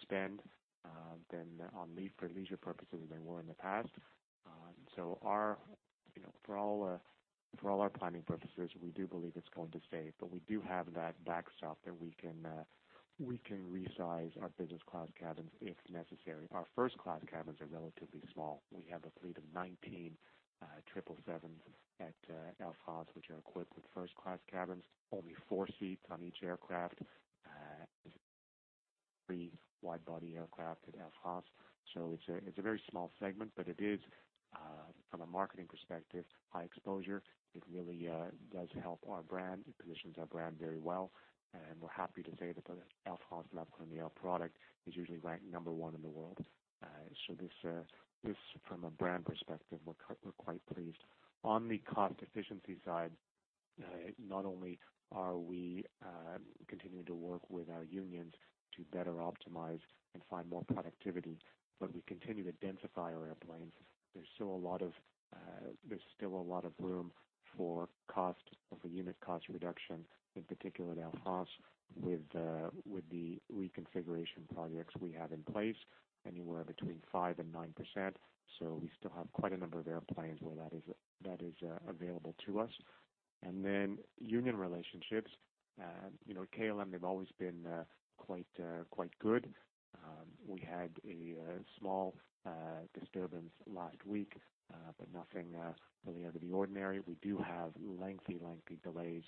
spend than for leisure purposes than we were in the past. So our, you know, for all our planning purposes, we do believe it's going to stay. We do have that backstop that we can resize our business class cabins if necessary. Our first class cabins are relatively small. We have a fleet of 19 777s at Air France, which are equipped with first class cabins. Only four seats on each aircraft, three wide-body aircraft at Air France. It's a very small segment, but it is from a marketing perspective, high exposure. It really does help our brand. It positions our brand very well. We're happy to say that the Air France La Première product is usually ranked number one in the world. This from a brand perspective, we're quite pleased. On the cost efficiency side, not only are we continuing to work with our unions to better optimize and find more productivity, but we continue to densify our airplanes. There's still a lot of room for cost, for unit cost reduction, in particular at Air France, with the reconfiguration projects we have in place, anywhere between 5% and 9%. We still have quite a number of airplanes where that is available to us. And then union relationships, you know, KLM, they've always been quite good. We had a small disturbance last week, but nothing really out of the ordinary. We do have lengthy delays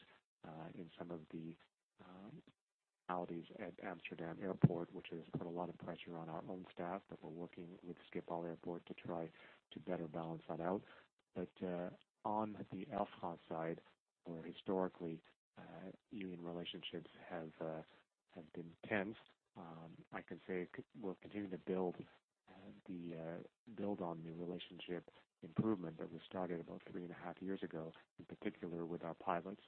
in some of the holidays at Amsterdam Airport, which has put a lot of pressure on our own staff, but we're working with Schiphol Airport to try to better balance that out. On the Air France side, where historically union relationships have been tense, I can say we'll continue to build on the relationship improvement that was started about three and a half years ago, in particular with our pilots.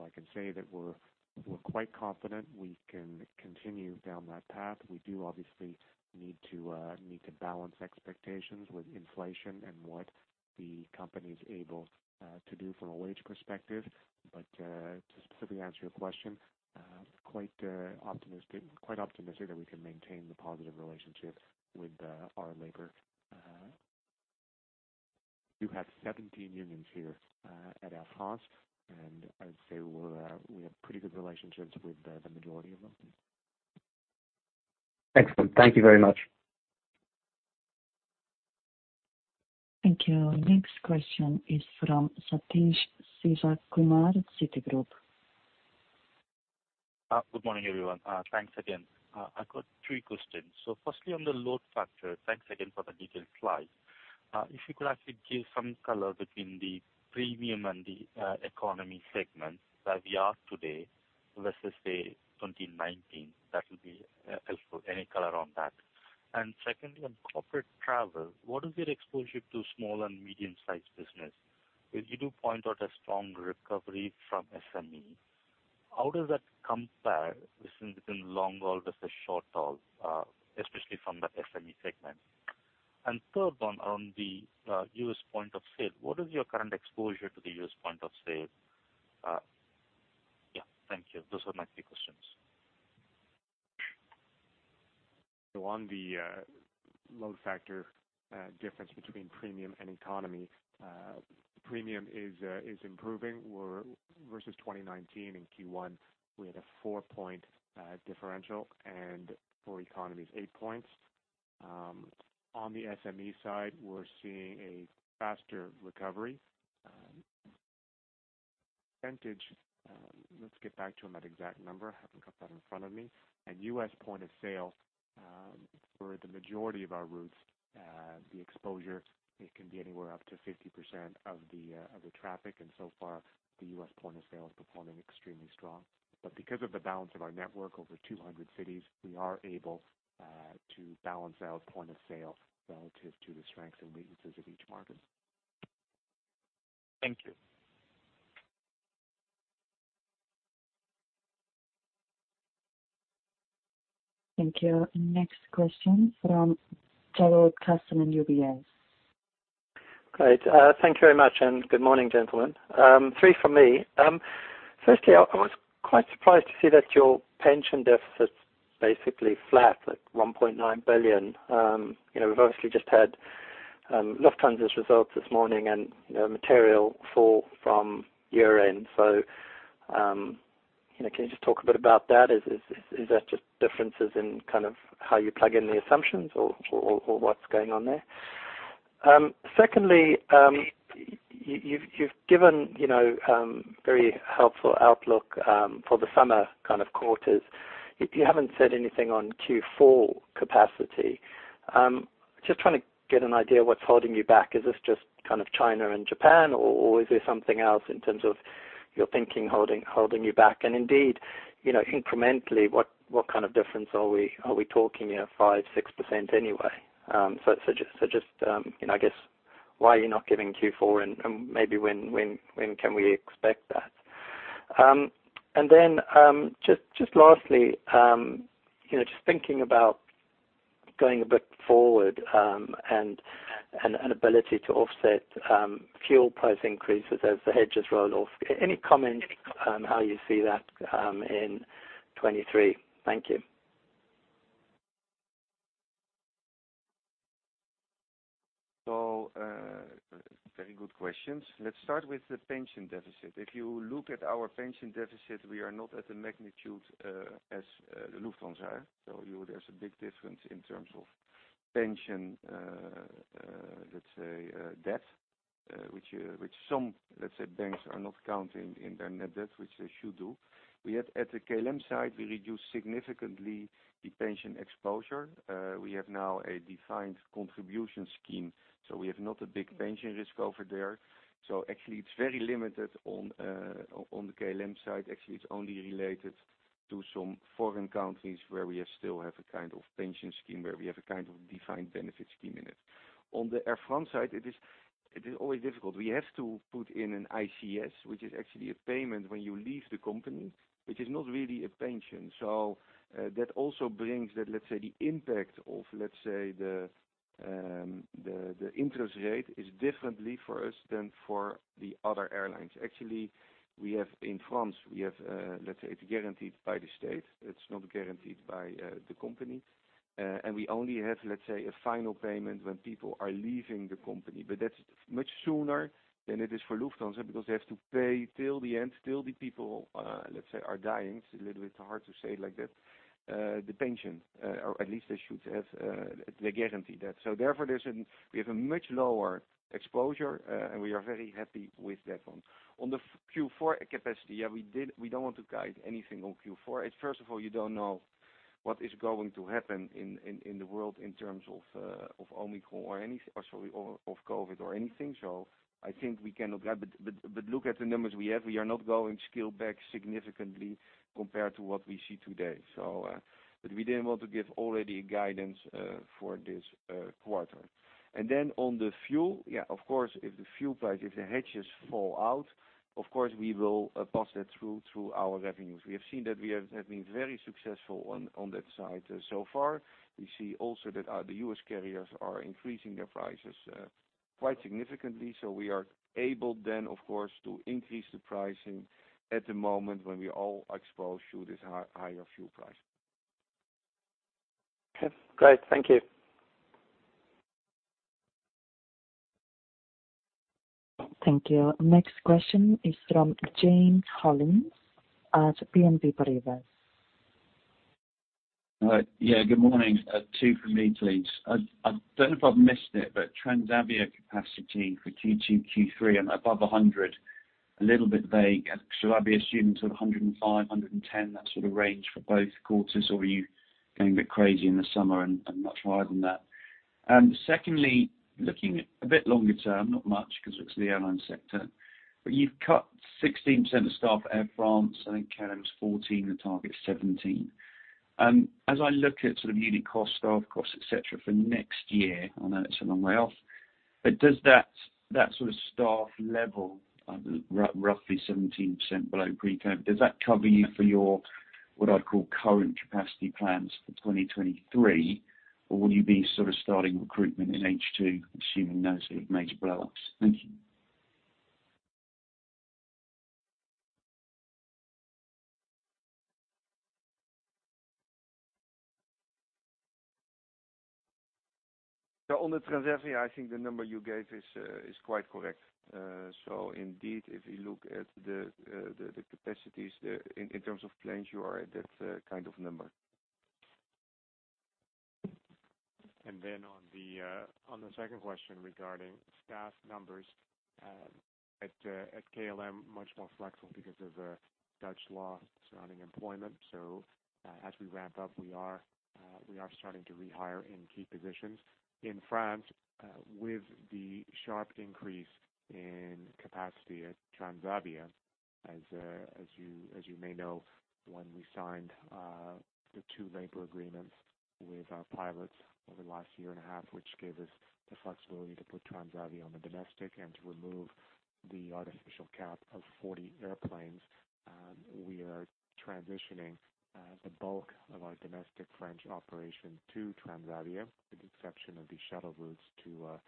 I can say that we're quite confident we can continue down that path. We do obviously need to balance expectations with inflation and what the company is able to do from a wage perspective. To specifically answer your question, quite optimistic that we can maintain the positive relationship with our labor. We do have 17 unions here at Air France, and I'd say we have pretty good relationships with the majority of them. Excellent. Thank you very much. Thank you. Next question is from Sathish Sivakumar at Citigroup. Good morning, everyone. Thanks again. I've got three questions. Firstly, on the load factor, thanks again for the detailed slide. If you could actually give some color between the premium and the economy segment that we are today versus, say, 2019, that will be helpful. Any color on that. Secondly, on corporate travel, what is your exposure to small and medium-sized business? If you do point out a strong recovery from SME, how does that compare between long haul versus short haul, especially from the SME segment? Third one, on the U.S. point of sale, what is your current exposure to the U.S. point of sale? Yeah. Thank you. Those are my three questions. On the load factor difference between premium and economy, premium is improving. Versus 2019 in Q1, we had a four point differential, and for economy it's eight points. On the SME side, we're seeing a faster recovery. Percentage, let's get back to him that exact number. I haven't got that in front of me. US point of sale, for the majority of our routes, the exposure, it can be anywhere up to 50% of the traffic. And so far, the US point of sale is performing extremely strong. Because of the balance of our network, over 200 cities, we are able to balance out point of sale relative to the strengths and weaknesses of each market. Thank you. Thank you. Next question from Jarrod Castle in UBS. Great. Thank you very much. Good morning, gentlemen. Three from me. First, I was quite surprised to see that your pension deficit basically flat, like 1.9 billion. You know, we've obviously just had Lufthansa's results this morning and, you know, material fall from year-end. So you know, can you just talk a bit about that? Is that just differences in, kind of, how you plug in the assumptions or what's going on there? Second, you've given, you know, very helpful outlook for the summer kind of quarters. You haven't said anything on Q4 capacity. Just trying to get an idea of what's holding you back. Is this just kind of China and Japan, or is there something else in terms of your thinking holding you back? Indeed, you know, incrementally, what kind of difference are we talking here, 5% to 6% anyway? Just, you know, I guess, why are you not giving Q4 and maybe when can we expect that? And then, just lastly, you know, just thinking about going a bit forward, and an ability to offset fuel price increases as the hedges roll off. Any comments on how you see that in 2023? Thank you. Very good questions. Let's start with the pension deficit. If you look at our pension deficit, we are not at the magnitude as Lufthansa are. There's a big difference in terms of pension, let's say, debt, which some, let's say, banks are not counting in their net debt, which they should do. We have at the KLM side, we reduce significantly the pension exposure. We have now a defined contribution scheme, so we have not a big pension risk over there. Actually it's very limited on the KLM side. Actually, it's only related to some foreign countries where we still have a kind of pension scheme, where we have a kind of defined benefit scheme in it. On the Air France side, it is always difficult. We have to put in an IFC, which is actually a payment when you leave the company, which is not really a pension. That also brings that the impact of the interest rate is differently for us than for the other airlines. Actually, we have in France it's guaranteed by the state. It's not guaranteed by the company. And we only have a final payment when people are leaving the company. That's much sooner than it is for Lufthansa because they have to pay till the end, till the people are dying. It's a little bit hard to say it like that. The pension, or at least they should have, they guarantee that. Therefore, we have a much lower exposure, and we are very happy with that one. On the Q4 capacity, yeah, we don't want to guide anything on Q4. First of all, you don't know what is going to happen in the world in terms of Omicron or COVID or anything. I think we cannot guide. Look at the numbers we have. We are not going to scale back significantly compared to what we see today. So we didn't want to give already guidance for this quarter. And then on the fuel, yeah, of course, if the fuel price, if the hedges fall out, of course, we will pass that through our revenues. We have seen that we have been very successful on that side so far. We see also that the U.S. carriers are increasing their prices quite significantly. So we are able then, of course, to increase the pricing at the moment when we are exposed to this higher fuel price. Okay. Great. Thank you. Thank you. Next question is from James Hollins at BNP Paribas. Good morning. Two for me please. I don't know if I've missed it, but Transavia capacity for Q2, Q3 and above 100, a little bit vague. Should I be assuming sort of 105, 110, that sort of range for both quarters? Or are you going a bit crazy in the summer and much higher than that? Secondly, looking a bit longer term, not much 'cause it's the airline sector, but you've cut 16% of staff Air France, I think KLM is 14%, the target is 17%. And as I look at sort of unit cost, staff costs, et cetera, for next year, I know that's a long way off, but does that sort of staff level, roughly 17% below pre-COVID, cover you for your, what I'd call current capacity plans for 2023? Will you be sort of starting recruitment in H2 assuming no sort of major blow-ups? Thank you. On the Transavia, I think the number you gave is quite correct. Indeed, if you look at the capacities in terms of plans, you are at that kind of number. On the second question regarding staff numbers, at KLM, much more flexible because of the Dutch law surrounding employment. So as we ramp up, we are starting to rehire in key positions. In France, with the sharp increase in capacity at Transavia, as you may know, when we signed the two labor agreements with our pilots over the last year and a half, which gave us the flexibility to put Transavia on the domestic and to remove the artificial cap of 40 airplanes. We are transitioning the bulk of our domestic French operation to Transavia, with the exception of the shuttle routes to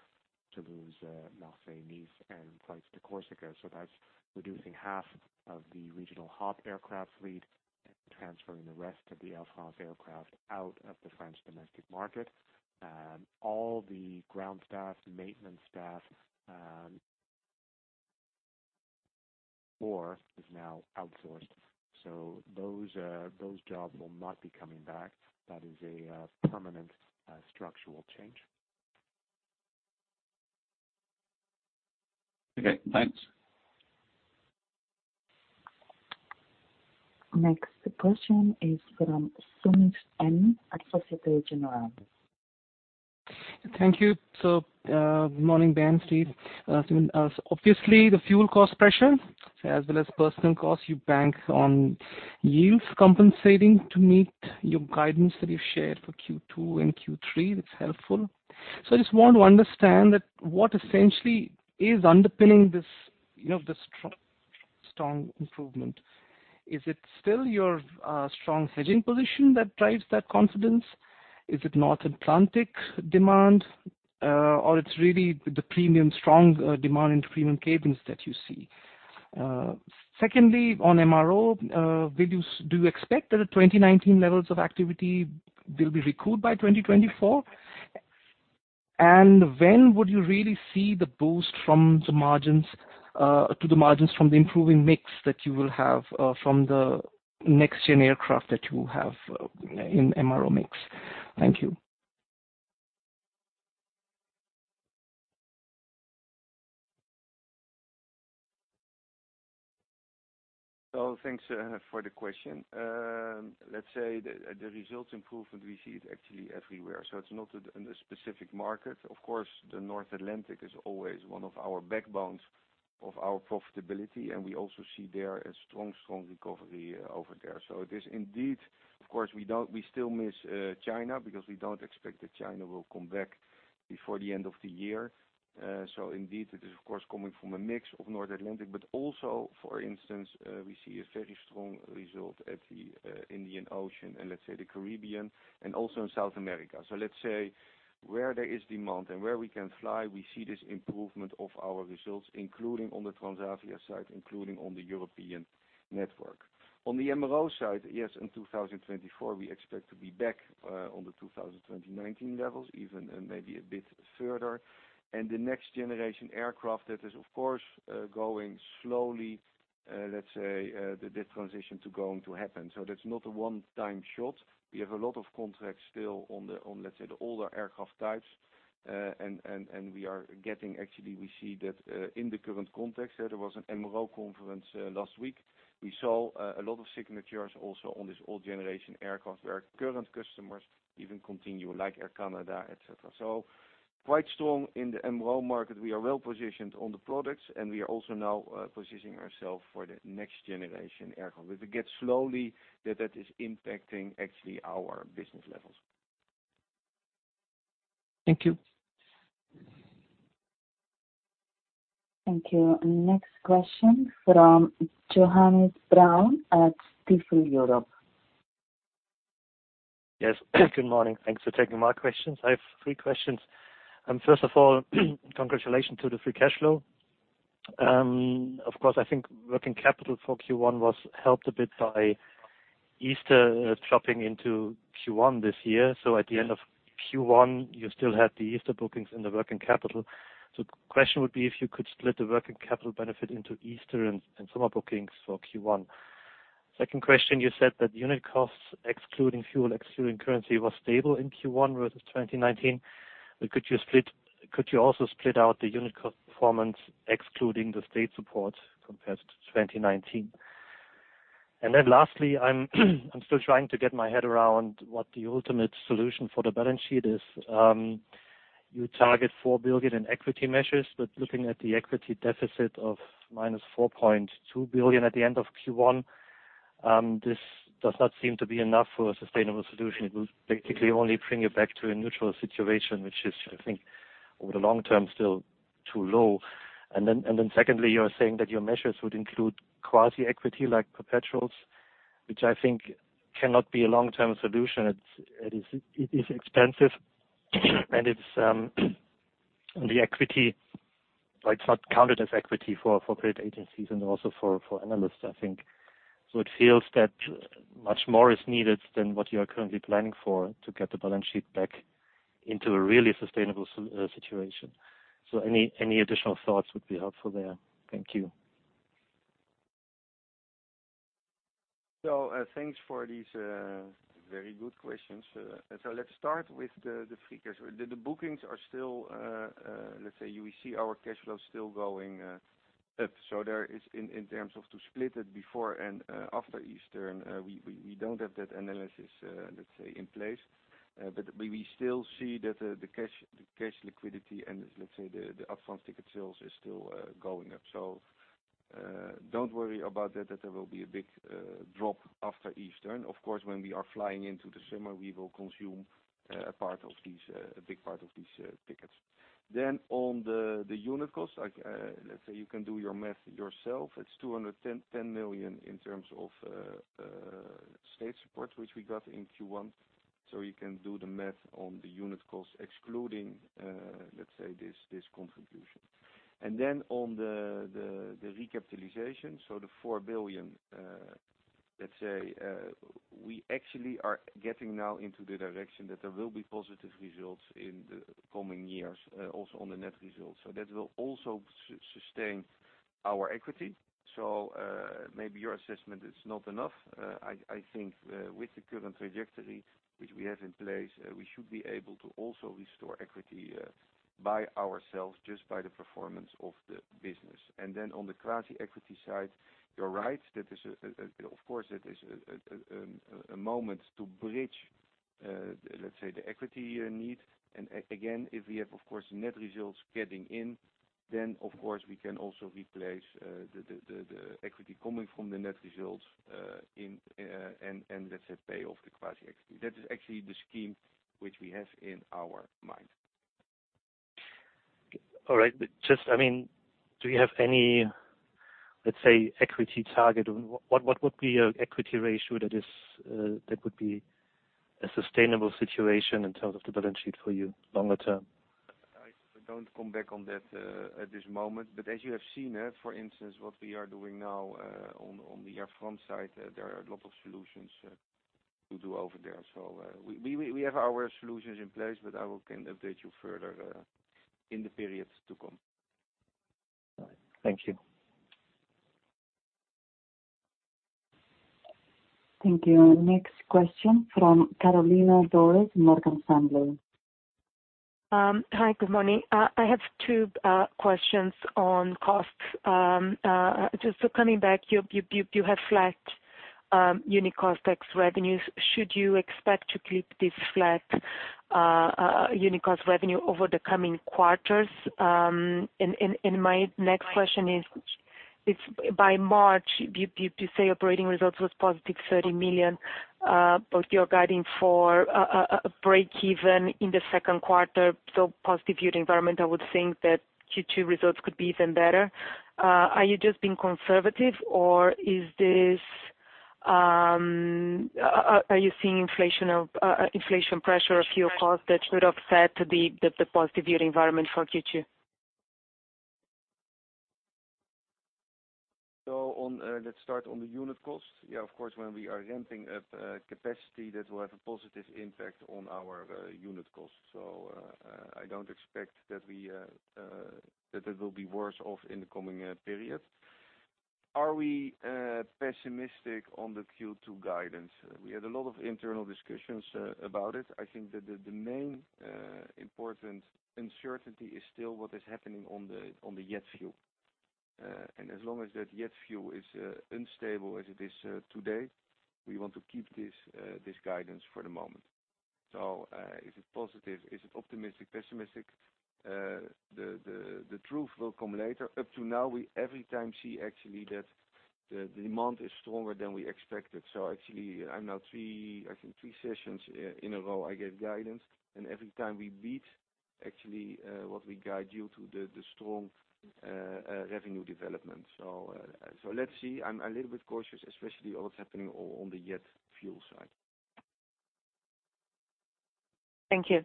Toulouse, Marseille, Nice and flights to Corsica. That's reducing half of the regional hub aircraft fleet and transferring the rest of the Air France aircraft out of the French domestic market. And all the ground staff, maintenance staff, more is now outsourced. So those jobs will not be coming back. That is a permanent structural change. Okay, thanks. Next question is from Sumit Kumar at Société Générale. Thank you. Good morning, Ben, Steven. Obviously the fuel cost pressure as well as personnel cost, you bank on yields compensating to meet your guidance that you've shared for Q2 and Q3. That's helpful. I just want to understand that what essentially is underpinning this, you know, this strong improvement. Is it still your strong hedging position that drives that confidence? Is it North Atlantic demand, or it's really the premium strong demand in premium cabins that you see? Secondly, on MRO, do you expect that the 2019 levels of activity, they'll be recouped by 2024? And when would you really see the boost from the margins to the margins from the improving mix that you will have from the next-gen aircraft that you have in MRO mix? Thank you. Thanks for the question. Let's say the results improvement we see it actually everywhere, so it's not in a specific market. Of course, the North Atlantic is always one of our backbones of our profitability, and we also see there a strong recovery over there. It is indeed, of course, we don't, we still miss China because we don't expect that China will come back before the end of the year. So indeed, it is of course coming from a mix of North Atlantic, but also for instance, we see a very strong result at the Indian Ocean and let's say the Caribbean and also in South America. Let's say where there is demand and where we can fly, we see this improvement of our results, including on the Transavia side, including on the European network. On the MRO side, yes, in 2024, we expect to be back on the 2019 levels, even maybe a bit further. The next generation aircraft, that is of course going slowly, let's say, the transition to going to happen. That's not a one-time shot. We have a lot of contracts still on, let's say, the older aircraft types. And we are getting actually, we see that in the current context. There was an MRO conference last week. We saw a lot of signatures also on this old generation aircraft. Our current customers even continue like Air Canada, et cetera. Quite strong in the MRO market. We are well-positioned on the products, and we are also now positioning ourselves for the next generation aircraft. It gets slowly that is impacting actually our business levels. Thank you. Thank you. Next question from Johannes Braun at T. Rowe Europe. Yes, good morning. Thanks for taking my questions. I have three questions. First of all, congratulations to the free cash flow. Of course, I think working capital for Q1 was helped a bit by Easter dropping into Q1 this year. So at the end of Q1, you still had the Easter bookings in the working capital. So the question would be if you could split the working capital benefit into Easter and summer bookings for Q1. Second question, you said that unit costs excluding fuel, excluding currency, was stable in Q1 versus 2019. Could you also split out the unit cost performance excluding the state support compared to 2019? And then lastly, I'm still trying to get my head around what the ultimate solution for the balance sheet is. You target 4 billion in equity measures, but looking at the equity deficit of -4.2 billion at the end of Q1, this does not seem to be enough for a sustainable solution. It will basically only bring it back to a neutral situation, which is, I think, over the long term, still too low. And then secondly, you're saying that your measures would include quasi-equity like perpetuals, which I think cannot be a long-term solution. It is expensive, and it's the equity, like, not counted as equity for credit agencies and also for analysts, I think. It feels that much more is needed than what you are currently planning for to get the balance sheet back into a really sustainable situation. Any additional thoughts would be helpful there. Thank you. Thanks for these very good questions. Let's start with the three questions. The bookings are still, let's say we see our cash flow still going up. There is in terms of to split it before and after Easter, we don't have that analysis, let's say in place. But we still see that the cash liquidity and let's say the upfront ticket sales is still going up. Don't worry about that there will be a big drop after Easter. Of course, when we are flying into the summer, we will consume a part of these, a big part of these tickets. Then on the unit cost, like, let's say you can do your math yourself. It's 210 million in terms of state support, which we got in Q1. So you can do the math on the unit costs excluding, let's say this contribution. And then, on the recapitalization, the 4 billion, let's say, we actually are getting now into the direction that there will be positive results in the coming years, also on the net results. That will also sustain our equity. So maybe your assessment is not enough. I think with the current trajectory which we have in place, we should be able to also restore equity by ourselves just by the performance of the business. On the quasi equity side, you're right, that is, of course, it is a moment to bridge, let's say, the equity need. Again, if we have, of course, net results getting in, then of course, we can also replace the equity coming from the net results in and let's say pay off the quasi equity. That is actually the scheme which we have in our mind. All right. Just I mean, do you have any, let's say, equity target? What would be equity ratio that would be a sustainable situation in terms of the balance sheet for you longer term? I don't come back on that at this moment. As you have seen, for instance, what we are doing now on the Air France side, there are a lot of solutions to do over there. So we have our solutions in place, but I can update you further in the periods to come. All right. Thank you. Thank you. Next question from Carolina Dores, Morgan Stanley. Hi. Good morning. I have two questions on costs. Just coming back, you have flat unit cost ex revenues. Should you expect to keep this flat unit cost revenue over the coming quarters? And my next question is, if by March you say operating results was positive 30 million, but you're guiding for a breakeven in the second quarter, so positive unit environment, I would think that Q2 results could be even better. Are you just being conservative or are you seeing inflationary pressure on fuel costs that should offset the positive unit environment for Q2? Let's start on the unit cost. Yeah, of course, when we are ramping up capacity, that will have a positive impact on our unit cost. So I don't expect that it will be worse off in the coming period. Are we pessimistic on the Q2 guidance? We had a lot of internal discussions about it. I think that the main important uncertainty is still what is happening on the jet fuel. As long as that jet fuel is unstable as it is today, we want to keep this guidance for the moment. Is it positive? Is it optimistic, pessimistic? The truth will come later. Up to now, we every time see actually that the demand is stronger than we expected. Actually, I'm now three, I think three sessions in a row, I gave guidance, and every time we beat actually what we guide you to, the strong revenue development. Let's see. I'm a little bit cautious, especially on what's happening on the jet fuel side. Thank you.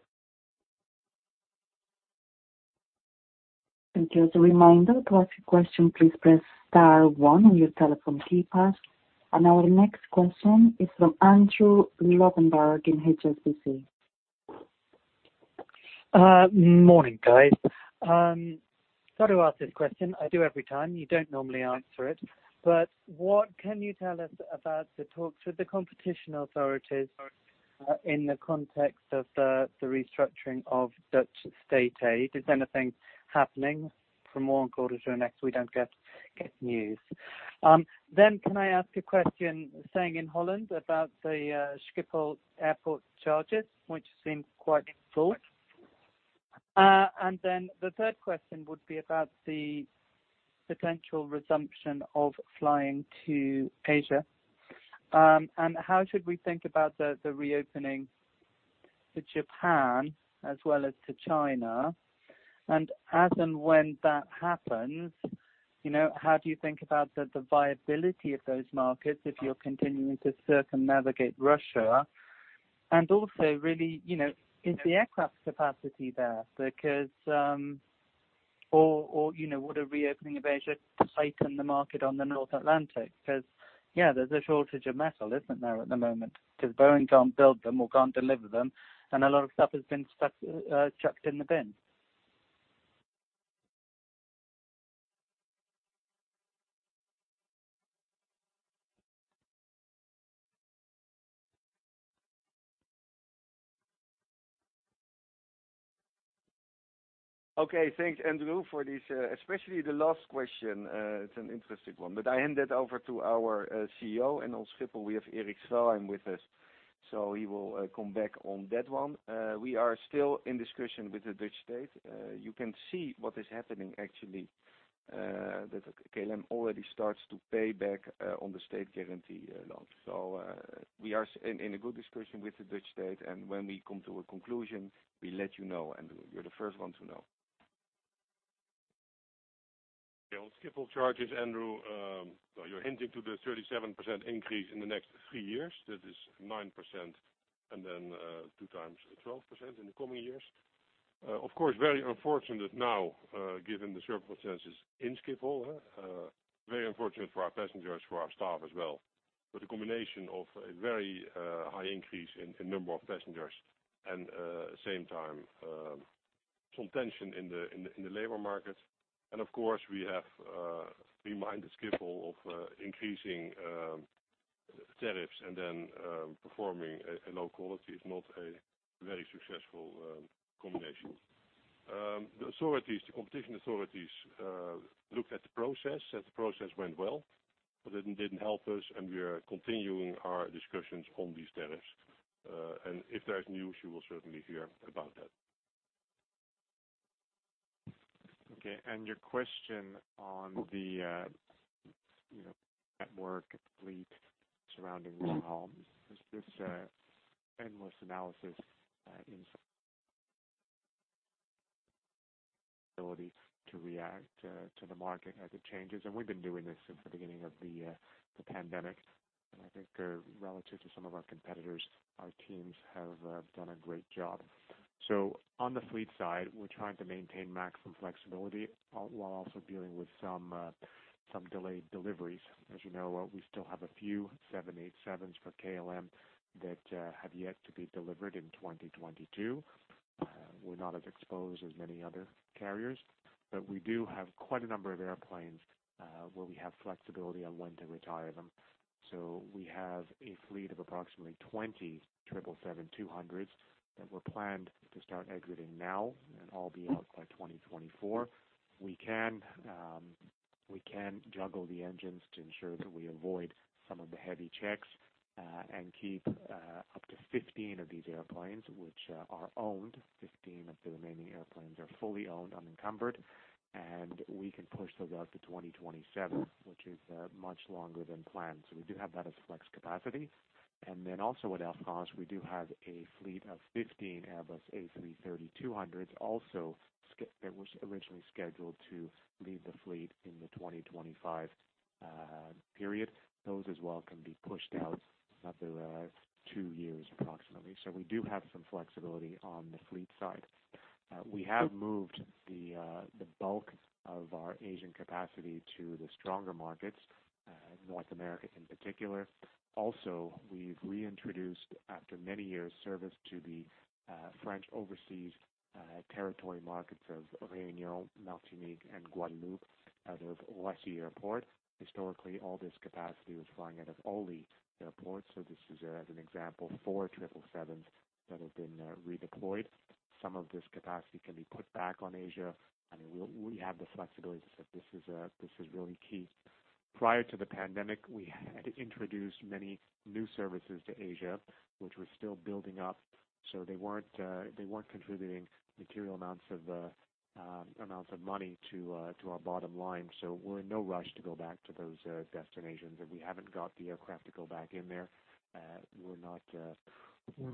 Just a reminder to ask a question, please press star one on your telephone keypad. Our next question is from Andrew Lobbenberg in HSBC. Morning, guys. Sorry to ask this question. I do every time. You don't normally answer it. What can you tell us about the talks with the competition authorities, in the context of the restructuring of Dutch state aid? Is anything happening from one quarter to the next we don't get news? Can I ask a question, staying in Holland, about the Schiphol Airport charges, which seem quite full? The third question would be about the potential resumption of flying to Asia. How should we think about the reopening to Japan as well as to China? As and when that happens, you know, how do you think about the viability of those markets if you're continuing to circumnavigate Russia? Also really, you know, is the aircraft capacity there because... You know, would a reopening of Asia tighten the market on the North Atlantic? Because, yeah, there's a shortage of metal, isn't there, at the moment? Because Boeing can't build them or can't deliver them, and a lot of stuff has been stuck, chucked in the bin. Okay. Thanks, Andrew, for this, especially the last question. It's an interesting one, but I hand that over to our CEO. On Schiphol, we have Erik Swelheim with us, so he will come back on that one. We are still in discussion with the Dutch state. You can see what is happening actually, that KLM already starts to pay back on the state guarantee loan. We are in a good discussion with the Dutch state, and when we come to a conclusion, we let you know, Andrew. You're the first one to know. Yeah, on Schiphol charges, Andrew, so you're hinting to the 37% increase in the next three years. That is 9% and then two times 12% in the coming years. Of course, very unfortunate now given the circumstances in Schiphol. Very unfortunate for our passengers, for our staff as well. The combination of a very high increase in number of passengers and at the same time some tension in the labor market. And of course, we have reminded Schiphol of increasing tariffs and then performing a low quality is not a very successful combination. The authorities, the competition authorities, looked at the process, said the process went well, but it didn't help us, and we are continuing our discussions on these tariffs. If there's news, you will certainly hear about that. Okay. Your question on the, you know, network fleet surrounding this whole endless analysis is the ability to react to the market as it changes. We've been doing this since the beginning of the pandemic. I think relative to some of our competitors, our teams have done a great job. On the fleet side, we're trying to maintain maximum flexibility while also dealing with some delayed deliveries. As you know, we still have a few 787s for KLM that have yet to be delivered in 2022. We're not as exposed as many other carriers, but we do have quite a number of airplanes where we have flexibility on when to retire them. We have a fleet of approximately 20 Boeing 777-200s that were planned to start exiting now and all be out by 2024. We can juggle the engines to ensure that we avoid some of the heavy checks and keep up to 15 of these airplanes, which are owned. 15 of the remaining airplanes are fully owned, unencumbered, and we can push those out to 2027, which is much longer than planned. We do have that as flex capacity. With Air France, we do have a fleet of 15 Airbus A330-200s that was originally scheduled to leave the fleet in the 2025 period. Those as well can be pushed out another two years approximately. We do have some flexibility on the fleet side. We have moved the bulk of our Asian capacity to the stronger markets, North America in particular. Also, we've reintroduced, after many years, service to the French overseas territory markets of Réunion, Martinique, and Guadeloupe out of Roissy Airport. Historically, all this capacity was flying out of Orly Airport. This is, as an example, four triple sevens that have been redeployed. Some of this capacity can be put back on Asia. I mean, we have the flexibility. This is really key. Prior to the pandemic, we had introduced many new services to Asia, which we're still building up, so they weren't contributing material amounts of money to our bottom line. So we're in no rush to go back to those destinations, and we haven't got the aircraft to go back in there. We're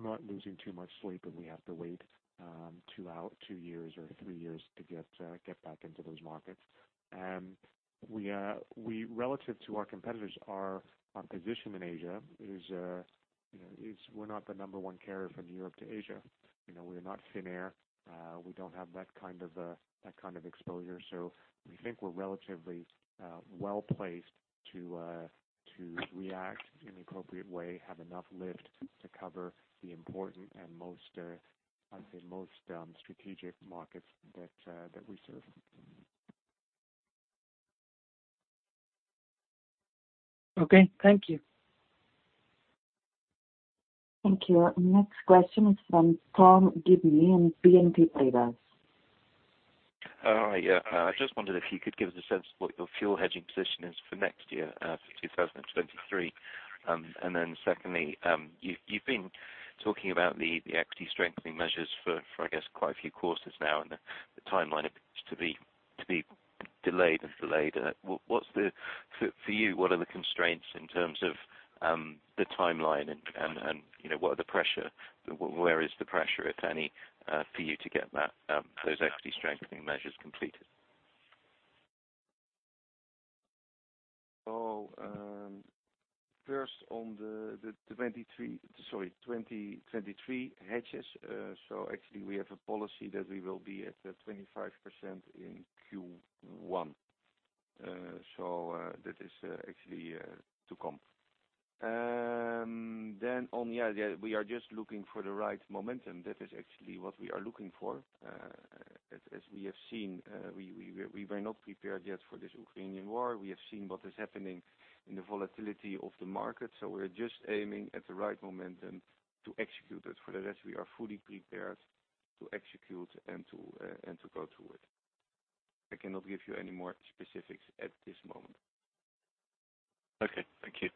not losing too much sleep, and we have to wait two years or three years to get back into those markets. We relative to our competitors, our position in Asia is, you know, we're not the number one carrier from Europe to Asia. You know, we're not Finnair. We don't have that kind of exposure. So we think we're relatively well-placed to react in an appropriate way, have enough lift to cover the important and, I'd say, most strategic markets that we serve. Okay, thank you. Thank you. Next question is from Tom Gibney in BNP Paribas. Hi. Yeah. I just wondered if you could give us a sense of what your fuel hedging position is for next year, 2023. Secondly, you've been talking about the equity strengthening measures for, I guess, quite a few quarters now, and the timeline appears to be delayed and delayed. For you, what are the constraints in terms of the timeline and, you know, what are the pressure? Where is the pressure, if any, for you to get those equity strengthening measures completed? First on the 2023 hedges. Actually we have a policy that we will be at 25% in Q1. So that is actually to come. Then on the other, we are just looking for the right momentum. That is actually what we are looking for. As we have seen, we were not prepared yet for this Ukrainian war. We have seen what is happening in the volatility of the market. So we're just aiming at the right momentum to execute it. For the rest, we are fully prepared to execute and to go through it. I cannot give you any more specifics at this moment. Okay. Thank you.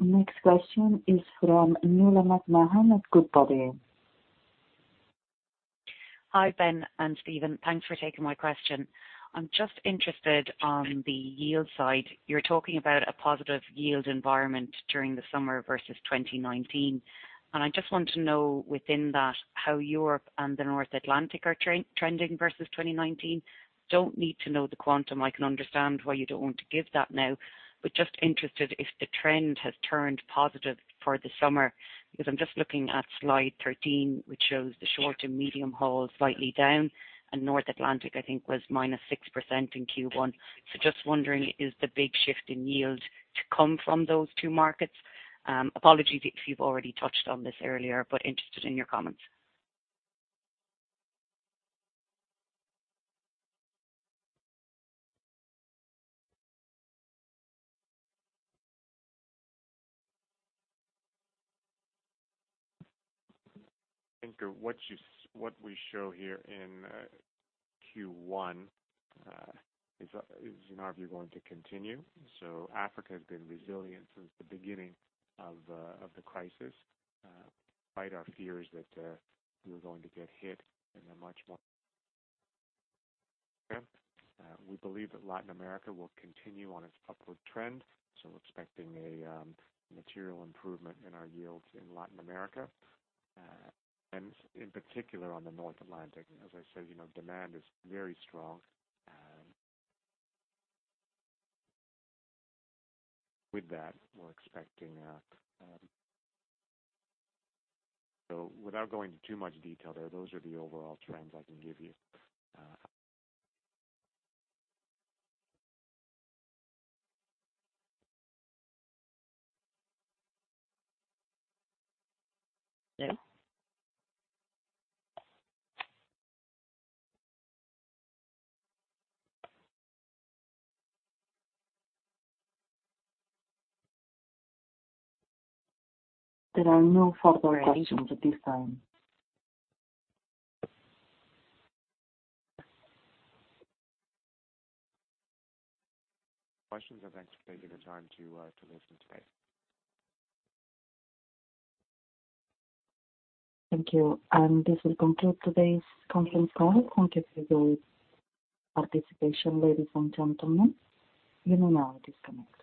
Next question is from Nuala McMahon at Goodbody. Hi, Ben Smith and Steven Zaat. Thanks for taking my question. I'm just interested on the yield side. You're talking about a positive yield environment during the summer versus 2019. I just want to know within that, how Europe and the North Atlantic are trending versus 2019. Don't need to know the quantum. I can understand why you don't want to give that now. Just interested if the trend has turned positive for the summer, because I'm just looking at slide 13, which shows the short to medium haul slightly down, and North Atlantic, I think, was -6% in Q1. Just wondering, is the big shift in yield to come from those two markets? Apologies if you've already touched on this earlier, but interested in your comments. I think what we show here in Q1 is in our view going to continue. Africa has been resilient since the beginning of the crisis despite our fears that we were going to get hit in a much more. We believe that Latin America will continue on its upward trend. So we're expecting a material improvement in our yields in Latin America and in particular on the North Atlantic. As I said, you know, demand is very strong. With that, without going into too much detail there, those are the overall trends I can give you. There are no further questions at this time. Questions. I thank you for taking the time to listen today. Thank you. This will conclude today's conference call. Thank you for your participation ladies and gentlemen. You may now disconnect.